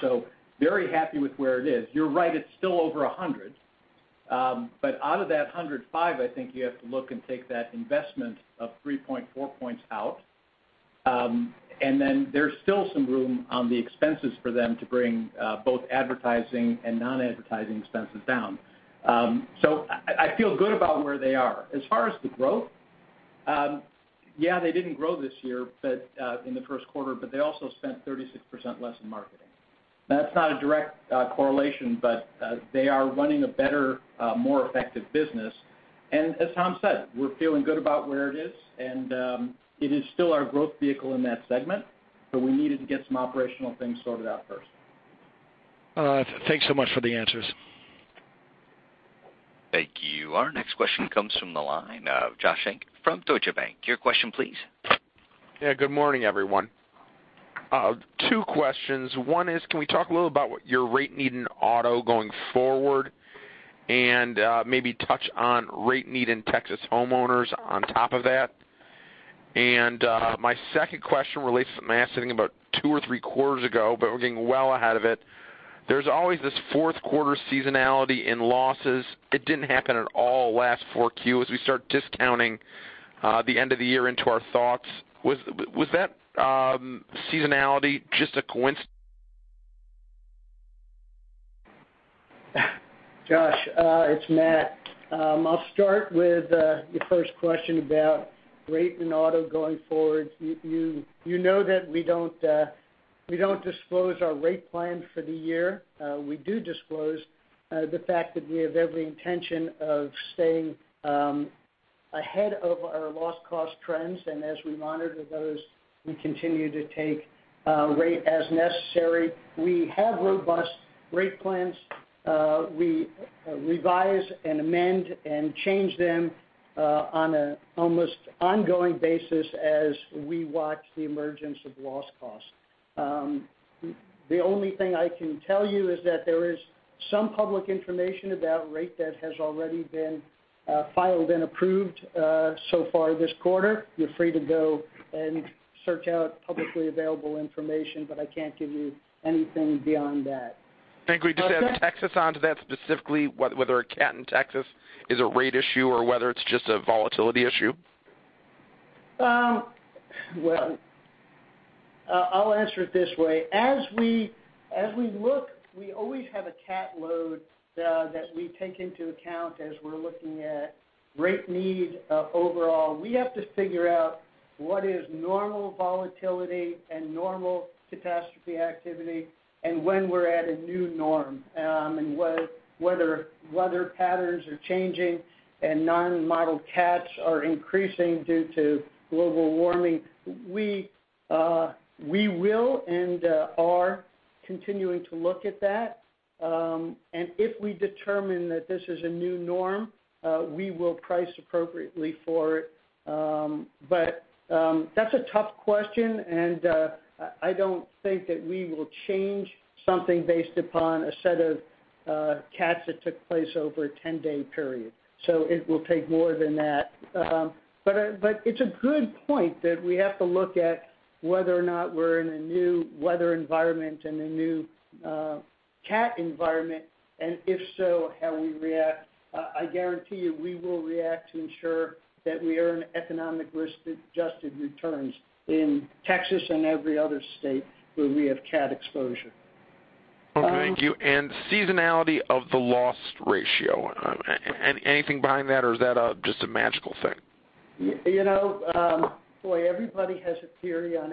Very happy with where it is. You're right, it's still over 100. Out of that 105, I think you have to look and take that investment of 3.4 points out. There's still some room on the expenses for them to bring both advertising and non-advertising expenses down. I feel good about where they are. As far as the growth, yeah, they didn't grow this year in the first quarter. They also spent 36% less in marketing. That's not a direct correlation. They are running a better, more effective business. As Tom said, we're feeling good about where it is, and it is still our growth vehicle in that segment. We needed to get some operational things sorted out first. Thanks so much for the answers. Thank you. Our next question comes from the line of Joshua Shanker from Deutsche Bank. Your question, please. Yeah. Good morning, everyone. Two questions. One is, can we talk a little about what your rate need in auto going forward, and maybe touch on rate need in Texas homeowners on top of that? My second question relates to Matt saying about two or three quarters ago, but we're getting well ahead of it. There's always this fourth quarter seasonality in losses. It didn't happen at all last four Q. As we start discounting the end of the year into our thoughts, was that seasonality just a coincidence? Josh, it's Matt. I'll start with your first question about rate and auto going forward. You know that we don't disclose our rate plan for the year. We do disclose the fact that we have every intention of staying ahead of our loss cost trends, and as we monitor those, we continue to take rate as necessary. We have robust rate plans. We revise and amend and change them on an almost ongoing basis as we watch the emergence of loss cost. The only thing I can tell you is that there is some public information about rate that has already been filed and approved so far this quarter. You're free to go and search out publicly available information, I can't give you anything beyond that. I think we just have Texas onto that specifically, whether a cat in Texas is a rate issue or whether it's just a volatility issue? Well, I'll answer it this way. As we look, we always have a cat load that we take into account as we're looking at rate need overall. We have to figure out what is normal volatility and normal catastrophe activity and when we're at a new norm, and whether weather patterns are changing and non-modeled cats are increasing due to global warming. We will and are continuing to look at that. If we determine that this is a new norm, we will price appropriately for it. That's a tough question, and I don't think that we will change something based upon a set of cats that took place over a 10-day period. It will take more than that. It's a good point that we have to look at whether or not we're in a new weather environment and a new cat environment, and if so, how we react. I guarantee you, we will react to ensure that we earn economic risk-adjusted returns in Texas and every other state where we have cat exposure. Okay. Thank you. Seasonality of the loss ratio. Anything behind that, or is that just a magical thing? Boy, everybody has a theory on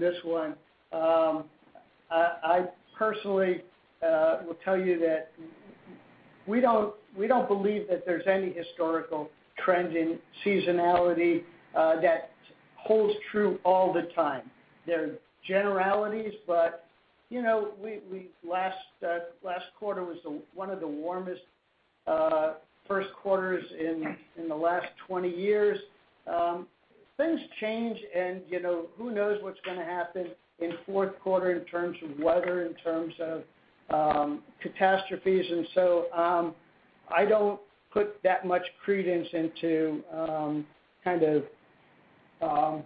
this one. I personally will tell you that we don't believe that there's any historical trend in seasonality that holds true all the time. There are generalities, but last quarter was one of the warmest first quarters in the last 20 years. Things change, and who knows what's going to happen in fourth quarter in terms of weather, in terms of catastrophes, and so I don't put that much credence into kind of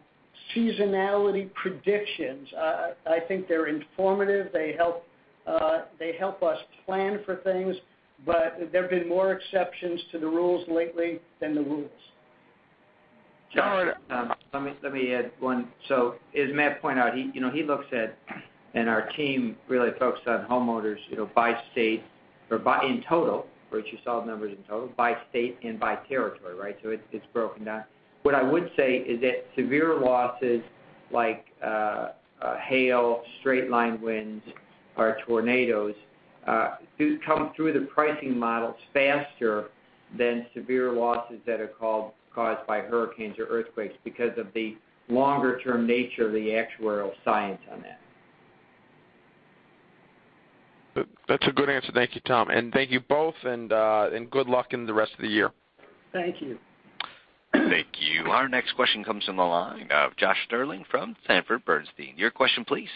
seasonality predictions. I think they're informative. They help us plan for things, but there have been more exceptions to the rules lately than the rules. All right. Let me add one. As Matt pointed out, he looks at, and our team really focuses on, homeowners by state or in total, which you saw the numbers in total, by state and by territory, right? It's broken down. What I would say is that severe losses like hail, straight-line winds, or tornadoes, do come through the pricing models faster than severe losses that are caused by hurricanes or earthquakes because of the longer-term nature of the actuarial science on that. That's a good answer. Thank you, Tom. Thank you both, and good luck in the rest of the year. Thank you. Thank you. Our next question comes from the line of Josh Sterling from Sanford Bernstein. Your question, please.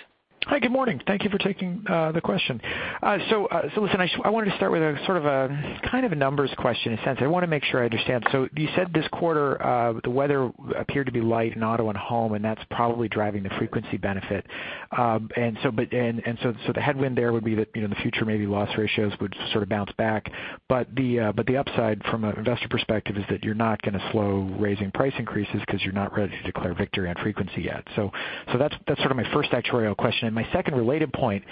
Hi. Good morning. Thank you for taking the question. Listen, I wanted to start with a sort of a kind of a numbers question in a sense. I want to make sure I understand. You said this quarter, the weather appeared to be light in auto and home, and that's probably driving the frequency benefit. The headwind there would be that in the future, maybe loss ratios would sort of bounce back. The upside from an investor perspective is that you're not going to slow raising price increases because you're not ready to declare victory on frequency yet. That's sort of my first actuarial question. My second related point,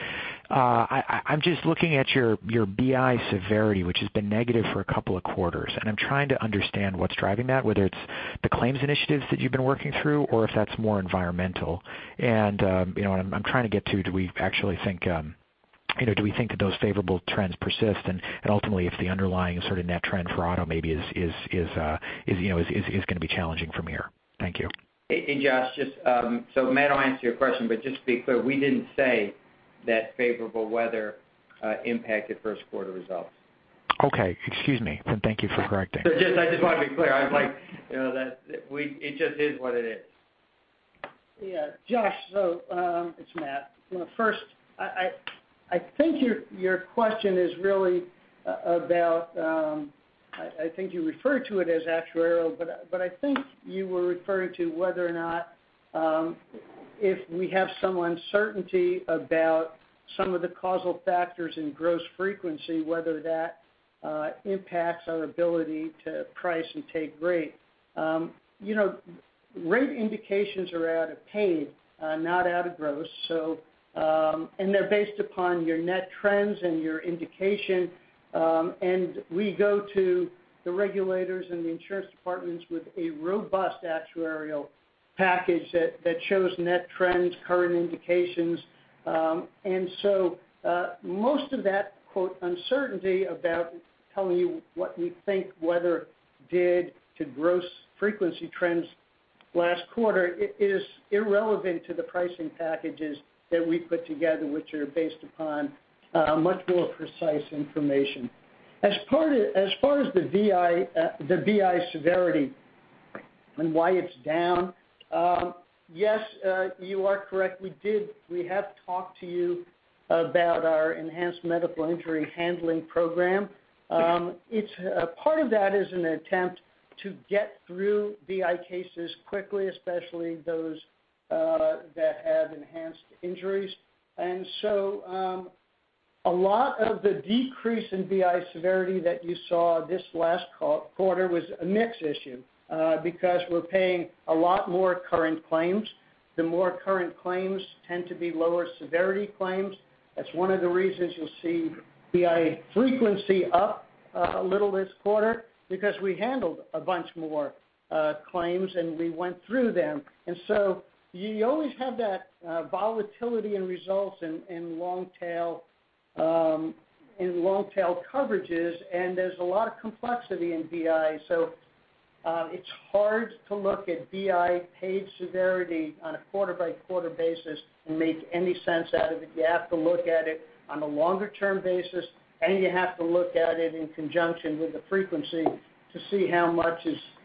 I'm just looking at your BI severity, which has been negative for a couple of quarters, and I'm trying to understand what's driving that, whether it's the claims initiatives that you've been working through or if that's more environmental. I'm trying to get to, do we actually think that those favorable trends persist, and ultimately if the underlying net trend for auto maybe is going to be challenging from here? Thank you. Hey, Josh. Matt will answer your question, but just to be clear, we didn't say that favorable weather impacted first quarter results. Okay. Excuse me. Thank you for correcting. I just want to be clear. It just is what it is. Josh, it's Matt. First, I think your question is really about, I think you referred to it as actuarial, but I think you were referring to whether or not if we have some uncertainty about some of the causal factors in gross frequency, whether that impacts our ability to price and take rate. Rate indications are out of paid, not out of gross. They're based upon your net trends and your indication. We go to the regulators and the insurance departments with a robust actuarial package that shows net trends, current indications. Most of that, quote, "uncertainty" about telling you what we think weather did to gross frequency trends last quarter is irrelevant to the pricing packages that we put together, which are based upon much more precise information. As far as the BI severity and why it's down. Yes, you are correct. We have talked to you about our enhanced medical injury handling program. Part of that is an attempt to get through BI cases quickly, especially those that have enhanced injuries. A lot of the decrease in BI severity that you saw this last quarter was a mix issue, because we're paying a lot more current claims. The more current claims tend to be lower severity claims. That's one of the reasons you'll see BI frequency up a little this quarter, because we handled a bunch more claims, and we went through them. You always have that volatility in results in long tail coverages. There's a lot of complexity in BI. It's hard to look at BI paid severity on a quarter-by-quarter basis and make any sense out of it. You have to look at it on a longer-term basis, and you have to look at it in conjunction with the frequency to see how much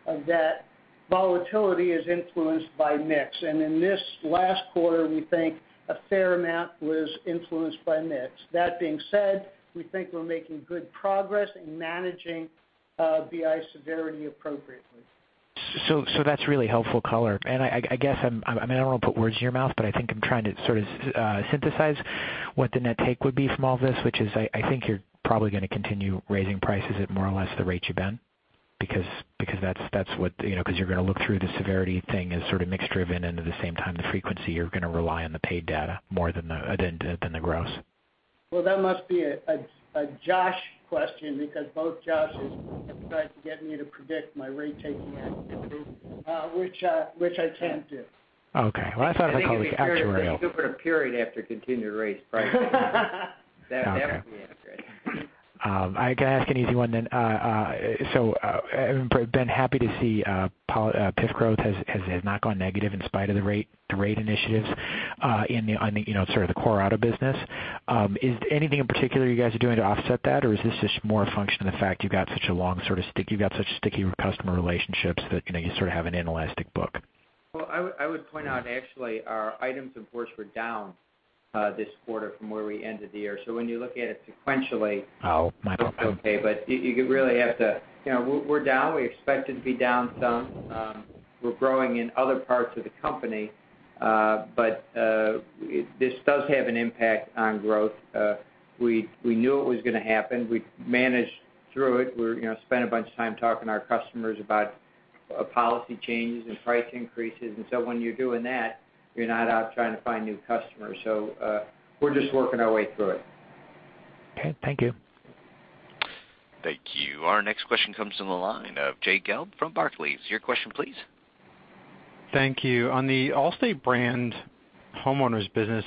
of that volatility is influenced by mix. In this last quarter, we think a fair amount was influenced by mix. That being said, we think we're making good progress in managing BI severity appropriately. That's really helpful color. I guess, I don't want to put words in your mouth, but I think I'm trying to synthesize what the net take would be from all this, which is, I think you're probably going to continue raising prices at more or less the rates you've been, because you're going to look through the severity thing as mix-driven, and at the same time, the frequency you're going to rely on the paid data more than the gross. That must be a Josh question, because both Joshes have tried to get me to predict my rate taking activity, which I can't do. I thought of it like it was actuarial. I think we've experienced a super period after continued rate pricing. That would be accurate. Can I ask an easy one, then? I've been happy to see PIF growth has not gone negative in spite of the rate initiatives in the core auto business. Is anything in particular you guys are doing to offset that or is this just more a function of the fact you've got such sticky customer relationships that you have an inelastic book? Well, I would point out, actually, our items enforce were down this quarter from where we ended the year. When you look at it sequentially. Oh, my bad. It's okay. We're down. We expected to be down some. We're growing in other parts of the company. This does have an impact on growth. We knew it was going to happen. We managed through it. We spent a bunch of time talking to our customers about policy changes and price increases. When you're doing that, you're not out trying to find new customers. We're just working our way through it. Okay. Thank you. Thank you. Our next question comes from the line of Jay Gelb from Barclays. Your question, please. Thank you. On the Allstate brand homeowners business,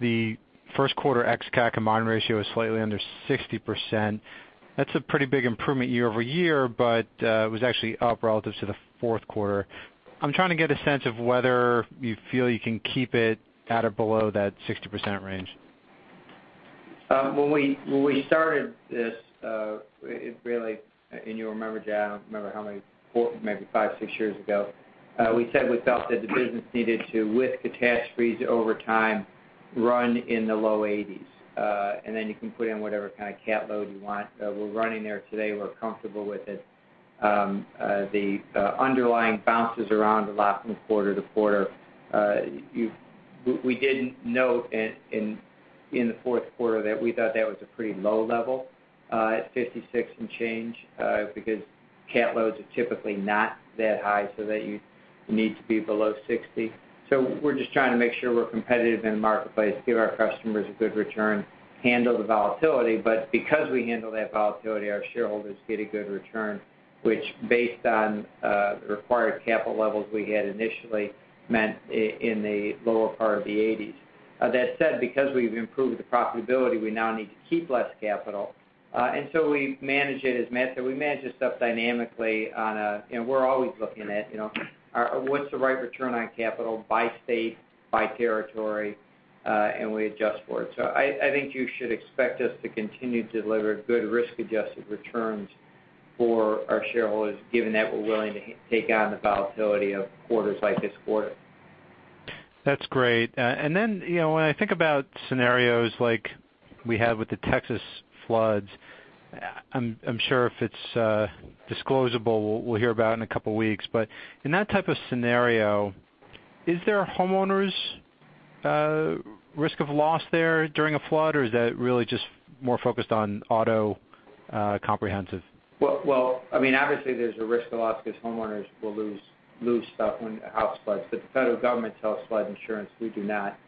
the first quarter ex-cat combined ratio is slightly under 60%. That's a pretty big improvement year-over-year, but it was actually up relative to the fourth quarter. I'm trying to get a sense of whether you feel you can keep it at or below that 60% range. When we started this, and you'll remember, Jay, I don't remember how many, maybe five, six years ago, we said we felt that the business needed to, with catastrophes over time, run in the low 80s. Then you can put in whatever kind of cat load you want. We're running there today. We're comfortable with it. The underlying bounces around a lot from quarter to quarter. We did note in the fourth quarter that we thought that was a pretty low level at 56 and change, because cat loads are typically not that high so that you need to be below 60. We're just trying to make sure we're competitive in the marketplace, give our customers a good return, handle the volatility. Because we handle that volatility, our shareholders get a good return, which based on the required capital levels we had initially meant in the lower part of the 80s. That said, because we've improved the profitability, we now need to keep less capital. We manage it as Matt said, we manage the stuff dynamically. We're always looking at what's the right return on capital by state, by territory, and we adjust for it. I think you should expect us to continue to deliver good risk-adjusted returns for our shareholders, given that we're willing to take on the volatility of quarters like this quarter. That's great. When I think about scenarios like we had with the Texas floods, I'm sure if it's disclosable, we'll hear about it in a couple of weeks. In that type of scenario, is there a Homeowners risk of loss there during a flood, or is that really just more focused on auto comprehensive? Well, obviously there's a risk of loss because homeowners will lose stuff when a house floods. The federal government sells flood insurance, we do not.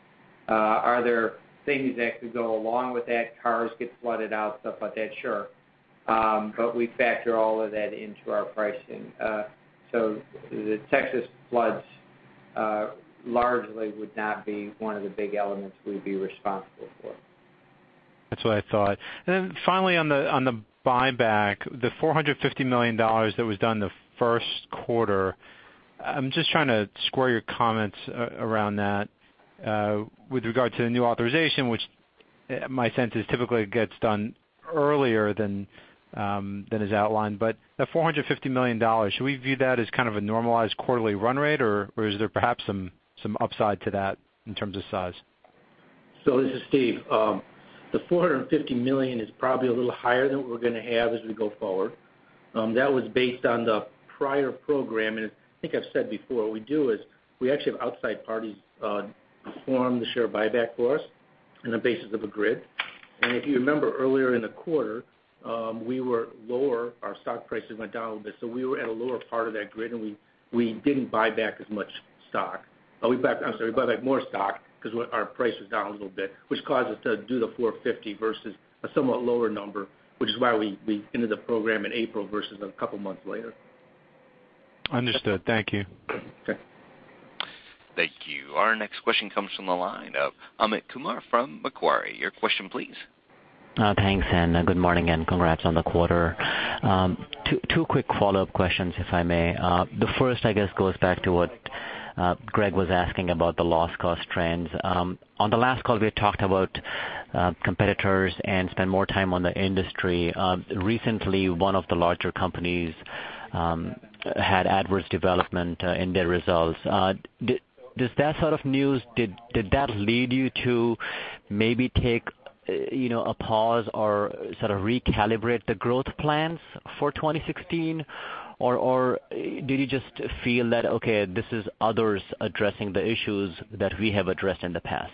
Are there things that could go along with that? Cars get flooded out, stuff like that? Sure. We factor all of that into our pricing. The Texas floods largely would not be one of the big elements we'd be responsible for. That's what I thought. Finally, on the buyback, the $450 million that was done the first quarter, I'm just trying to square your comments around that with regard to the new authorization, which my sense is typically gets done earlier than is outlined. That $450 million, should we view that as kind of a normalized quarterly run rate, or is there perhaps some upside to that in terms of size? This is Steve Shebik. The $450 million is probably a little higher than what we're going to have as we go forward. That was based on the prior program, I think I've said before, what we do is we actually have outside parties perform the share buyback for us on the basis of a grid. If you remember earlier in the quarter, we were lower. Our stock prices went down a little bit. We were at a lower part of that grid, and we didn't buy back as much stock. I'm sorry, we bought back more stock because our price was down a little bit, which caused us to do the $450 versus a somewhat lower number, which is why we entered the program in April versus a couple of months later. Understood. Thank you. Okay. Thank you. Our next question comes from the line of Amit Kumar from Macquarie. Your question, please. Thanks, good morning, and congrats on the quarter. Two quick follow-up questions, if I may. The first, I guess, goes back to what Greg Peters was asking about the loss cost trends. On the last call, we had talked about competitors and spent more time on the industry. Recently, one of the larger companies had adverse development in their results. Does that sort of news, did that lead you to maybe take a pause or sort of recalibrate the growth plans for 2016, or did you just feel that, okay, this is others addressing the issues that we have addressed in the past?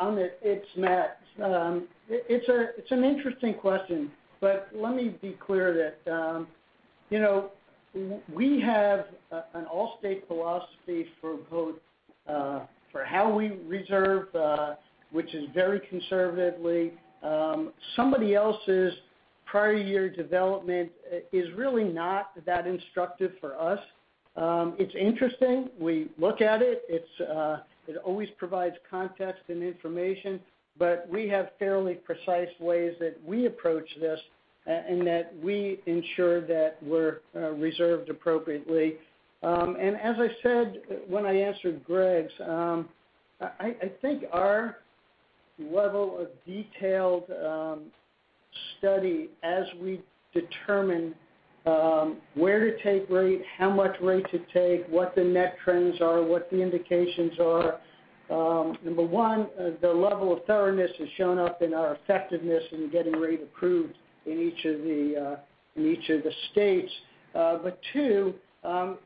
Amit, it's Matt. It's an interesting question, but let me be clear that we have an Allstate philosophy for both for how we reserve, which is very conservatively. Somebody else's prior year development is really not that instructive for us. It's interesting. We look at it. It always provides context and information, but we have fairly precise ways that we approach this and that we ensure that we're reserved appropriately. As I said when I answered Greg's, I think our level of detailed study as we determine where to take rate, how much rate to take, what the net trends are, what the indications are, number one, the level of thoroughness has shown up in our effectiveness in getting rate approved in each of the states. Two,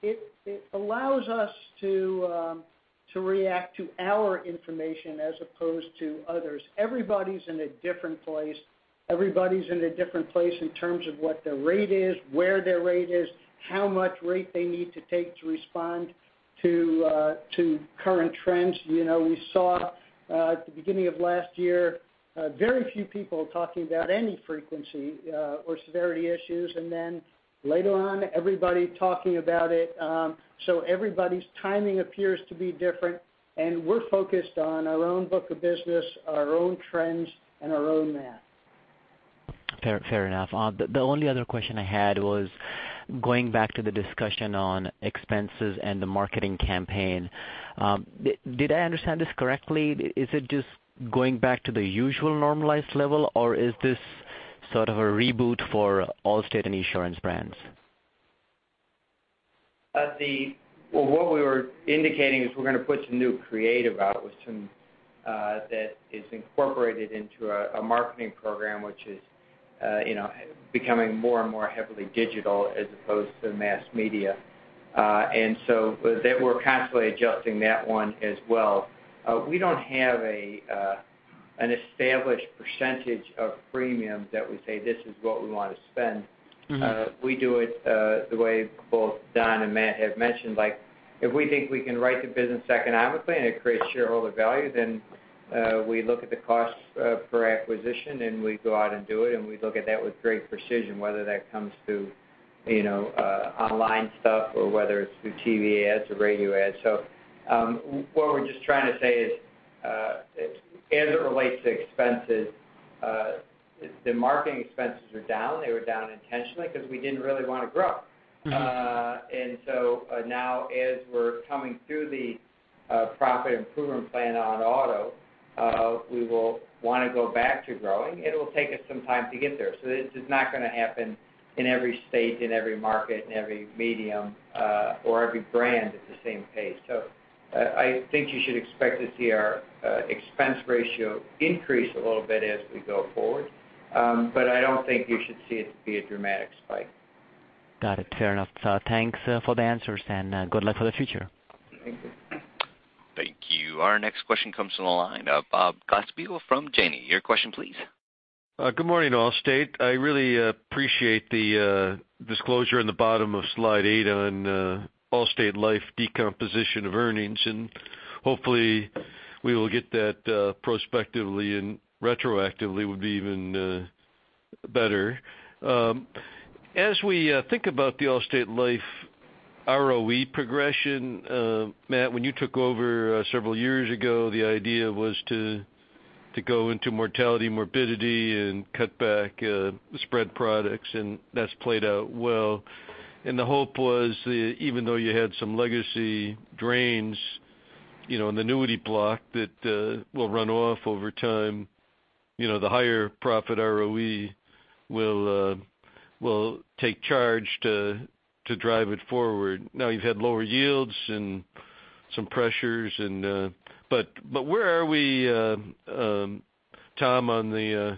it allows us to react to our information as opposed to others. Everybody's in a different place. Everybody's in a different place in terms of what their rate is, where their rate is, how much rate they need to take to respond to current trends. We saw at the beginning of last year, very few people talking about any frequency or severity issues, then later on, everybody talking about it. Everybody's timing appears to be different, we're focused on our own book of business, our own trends, and our own math. Fair enough. The only other question I had was going back to the discussion on expenses and the marketing campaign. Did I understand this correctly? Is it just going back to the usual normalized level, or is this sort of a reboot for Allstate and Esurance? What we were indicating is we're going to put some new creative out that is incorporated into a marketing program, which is becoming more and more heavily digital as opposed to mass media. That we're constantly adjusting that one as well. We don't have an established percentage of premium that we say, "This is what we want to spend. We do it the way both Don and Matt have mentioned. If we think we can write the business economically and it creates shareholder value, we look at the cost per acquisition, and we go out and do it, and we look at that with great precision, whether that comes through online stuff or whether it's through TV ads or radio ads. What we're just trying to say is, as it relates to expenses, the marketing expenses are down. They were down intentionally because we didn't really want to grow. Now as we're coming through the profit improvement plan on auto, we will want to go back to growing. It'll take us some time to get there. This is not going to happen in every state, in every market, in every medium, or every brand at the same pace. I think you should expect to see our expense ratio increase a little bit as we go forward. I don't think you should see it be a dramatic spike. Got it. Fair enough, sir. Thanks for the answers, and good luck for the future. Thank you. Thank you. Our next question comes from the line of Robert Glasspiegel from Janney. Your question please. Good morning, Allstate. Hopefully we will get that prospectively and retroactively would be even better. As we think about the Allstate Life ROE progression, Matt, when you took over several years ago, the idea was to go into mortality, morbidity, and cut back spread products. That's played out well. The hope was that even though you had some legacy drains in the annuity block that will run off over time, the higher profit ROE will take charge to drive it forward. Now you've had lower yields and some pressures, but where are we, Tom, on the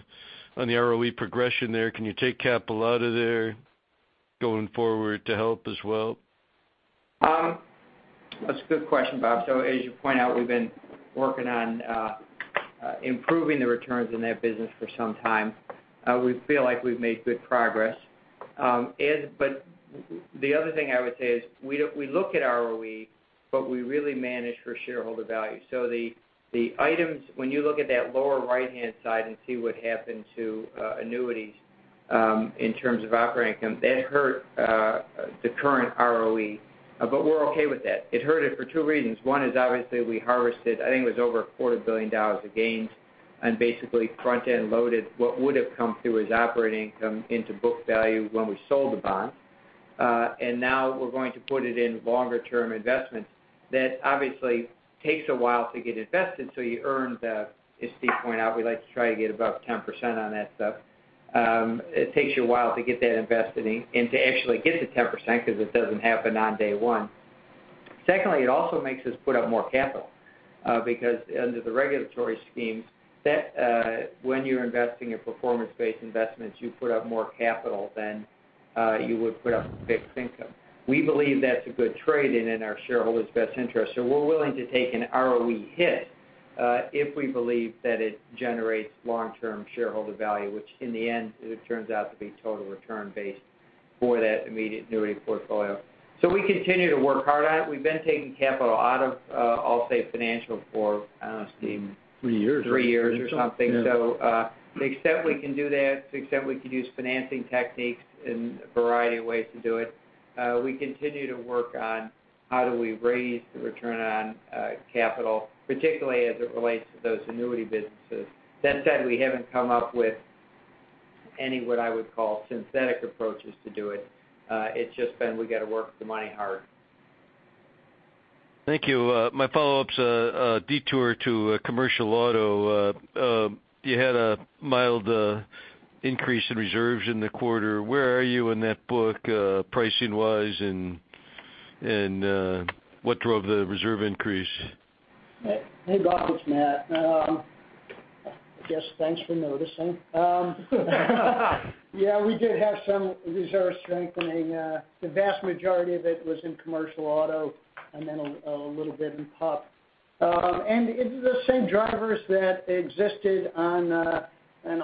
ROE progression there? Can you take capital out of there going forward to help as well? That's a good question, Bob. As you point out, we've been working on improving the returns in that business for some time. We feel like we've made good progress. The other thing I would say is, we look at ROE, but we really manage for shareholder value. The items, when you look at that lower right-hand side and see what happened to annuities in terms of operating income, that hurt the current ROE, but we're okay with that. It hurt it for two reasons. One is obviously we harvested, I think it was over a quarter billion dollars of gains and basically front-end loaded what would have come through as operating income into book value when we sold the bond. Now we're going to put it in longer-term investments. That obviously takes a while to get invested, you earn the, as Steve pointed out, we like to try to get about 10% on that stuff. It takes you a while to get that invested and to actually get to 10% because it doesn't happen on day one. Secondly, it also makes us put up more capital, because under the regulatory schemes, when you're investing in performance-based investments, you put up more capital than you would put up with fixed income. We believe that's a good trade and in our shareholders' best interest. We're willing to take an ROE hit, if we believe that it generates long-term shareholder value, which in the end, it turns out to be total return based for that immediate annuity portfolio. We continue to work hard at it. We've been taking capital out of Allstate Financial for, I don't know, Steve. Three years three years or something. Yeah. To the extent we can do that, to the extent we can use financing techniques in a variety of ways to do it, we continue to work on how do we raise the return on capital, particularly as it relates to those annuity businesses. That said, we haven't come up with any, what I would call, synthetic approaches to do it. It's just been, we've got to work the money hard. Thank you. My follow-up's a detour to commercial auto. You had a mild increase in reserves in the quarter. Where are you in that book, pricing wise, and what drove the reserve increase? Hey, Bob, it's Matt. I guess thanks for noticing. We did have some reserve strengthening. The vast majority of it was in commercial auto and then a little bit in PUP. It's the same drivers that existed on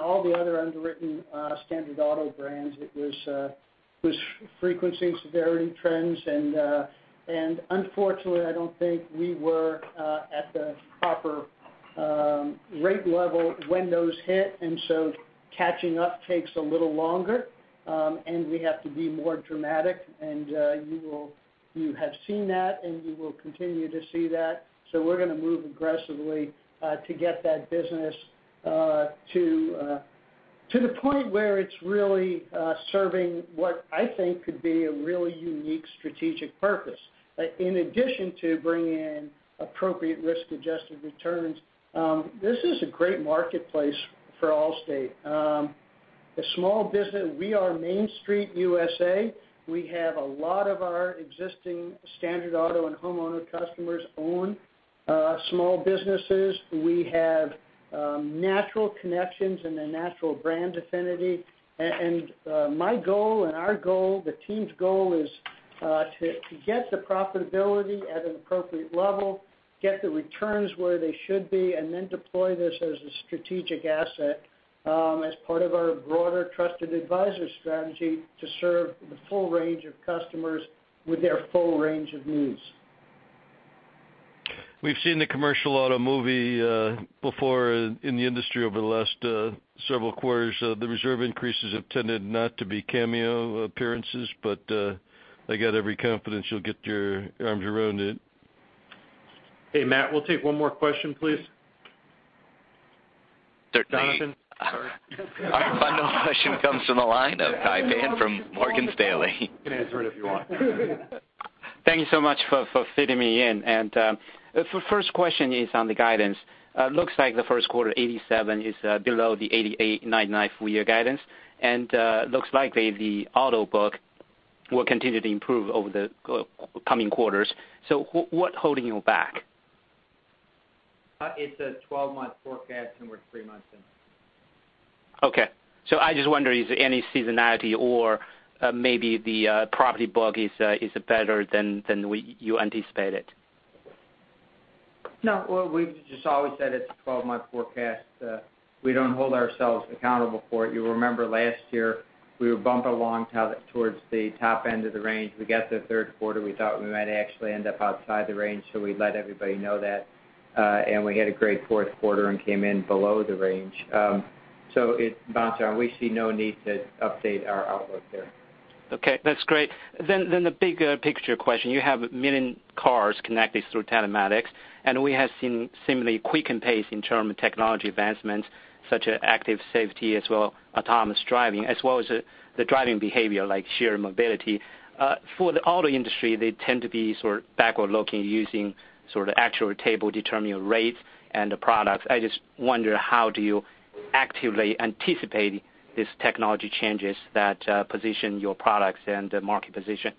all the other underwritten standard auto brands. It was frequency and severity trends. Unfortunately, I don't think we were at the proper rate level when those hit, and so catching up takes a little longer. We have to be more dramatic, and you have seen that, and you will continue to see that. We're going to move aggressively to get that business to the point where it's really serving what I think could be a really unique strategic purpose. In addition to bringing in appropriate risk-adjusted returns, this is a great marketplace for Allstate. A small business, we are Main Street USA. We have a lot of our existing standard auto and homeowner customers own small businesses. We have natural connections and a natural brand affinity. My goal and our goal, the team's goal, is to get the profitability at an appropriate level, get the returns where they should be, and then deploy this as a strategic asset. As part of our broader trusted advisor strategy to serve the full range of customers with their full range of needs. We've seen the commercial auto movie before in the industry over the last several quarters. The reserve increases have tended not to be cameo appearances. I got every confidence you'll get your arms around it. Hey, Matt, we'll take one more question, please. Certainly. Jonathan? Sorry. Our final question comes from the line of Kai Pan from Morgan Stanley. You can answer it if you want. Thank you so much for fitting me in. The first question is on the guidance. Looks like the first quarter, 87, is below the 88, 99 full year guidance, and looks likely the auto book will continue to improve over the coming quarters. What's holding you back? It's a 12-month forecast and we're three months in. Okay. I just wonder, is there any seasonality or maybe the property book is better than you anticipated? No. Well, as we've just always said, it's a 12-month forecast. We don't hold ourselves accountable for it. You'll remember last year, we would bump along towards the top end of the range. We got to the third quarter, we thought we might actually end up outside the range, we let everybody know that. We had a great fourth quarter and came in below the range. It bounced around. We see no need to update our outlook there. Okay, that's great. The big picture question. You have 1 million cars connected through telematics, we have seen similarly quickened pace in terms of technology advancements, such as active safety as well, autonomous driving, as well as the driving behavior, like shared mobility. For the auto industry, they tend to be sort of backward-looking, using sort of actuarial table determining rates and the products. I just wonder how do you actively anticipate these technology changes that position your products and the market position?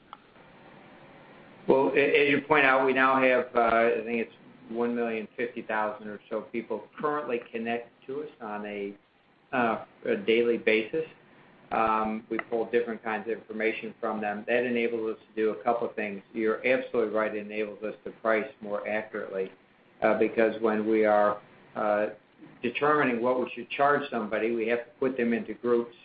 Well, as you point out, we now have, I think it's 1,050,000 or so people currently connect to us on a daily basis. We pull different kinds of information from them. That enables us to do a couple of things. You're absolutely right, it enables us to price more accurately, because when we are determining what we should charge somebody, we have to put them into groups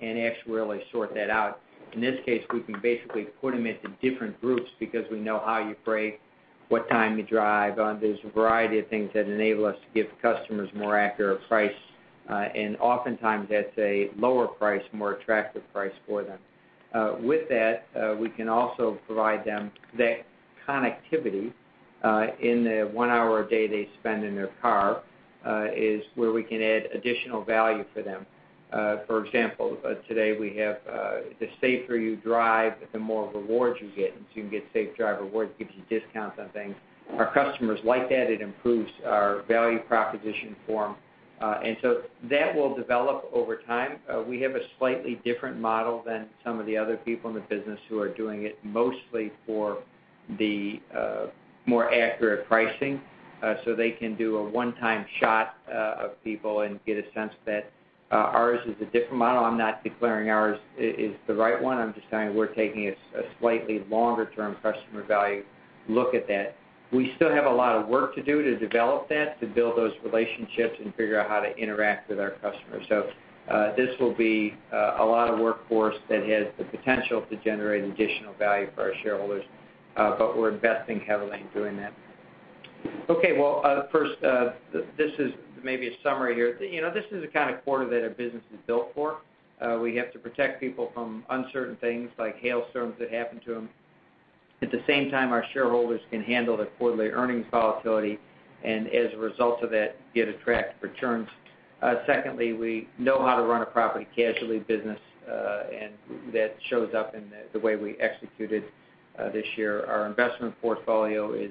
and actuarially sort that out. In this case, we can basically put them into different groups because we know how you brake, what time you drive. There's a variety of things that enable us to give customers more accurate price. Oftentimes, that's a lower price, more attractive price for them. With that, we can also provide them that connectivity in the 1 hour a day they spend in their car, is where we can add additional value for them. For example, today we have, the safer you drive, the more rewards you get. You can get safe driver rewards, it gives you discounts on things. Our customers like that. It improves our value proposition form. That will develop over time. We have a slightly different model than some of the other people in the business who are doing it mostly for the more accurate pricing. They can do a one-time shot of people and get a sense of it. Ours is a different model. I'm not declaring ours is the right one. I'm just saying we're taking a slightly longer-term customer value look at that. We still have a lot of work to do to develop that, to build those relationships and figure out how to interact with our customers. This will be a lot of workforce that has the potential to generate additional value for our shareholders, but we're investing heavily in doing that. Okay, well, first, this is maybe a summary here. This is the kind of quarter that our business is built for. We have to protect people from uncertain things like hailstorms that happen to them. At the same time, our shareholders can handle the quarterly earnings volatility, as a result of that, get attractive returns. Secondly, we know how to run a property casualty business, that shows up in the way we executed this year. Our investment portfolio is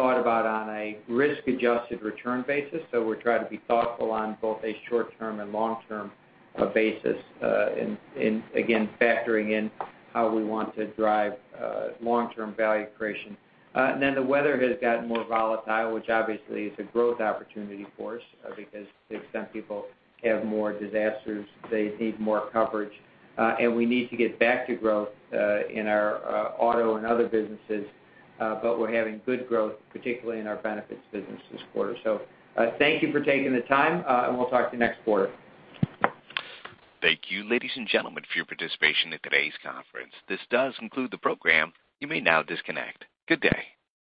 thought about on a risk-adjusted return basis, we try to be thoughtful on both a short-term and long-term basis, and again, factoring in how we want to drive long-term value creation. The weather has gotten more volatile, which obviously is a growth opportunity for us, because if some people have more disasters, they need more coverage. We need to get back to growth in our auto and other businesses. We're having good growth, particularly in our Benefits business this quarter. Thank you for taking the time, and we'll talk to you next quarter. Thank you, ladies and gentlemen, for your participation in today's conference. This does conclude the program. You may now disconnect. Good day.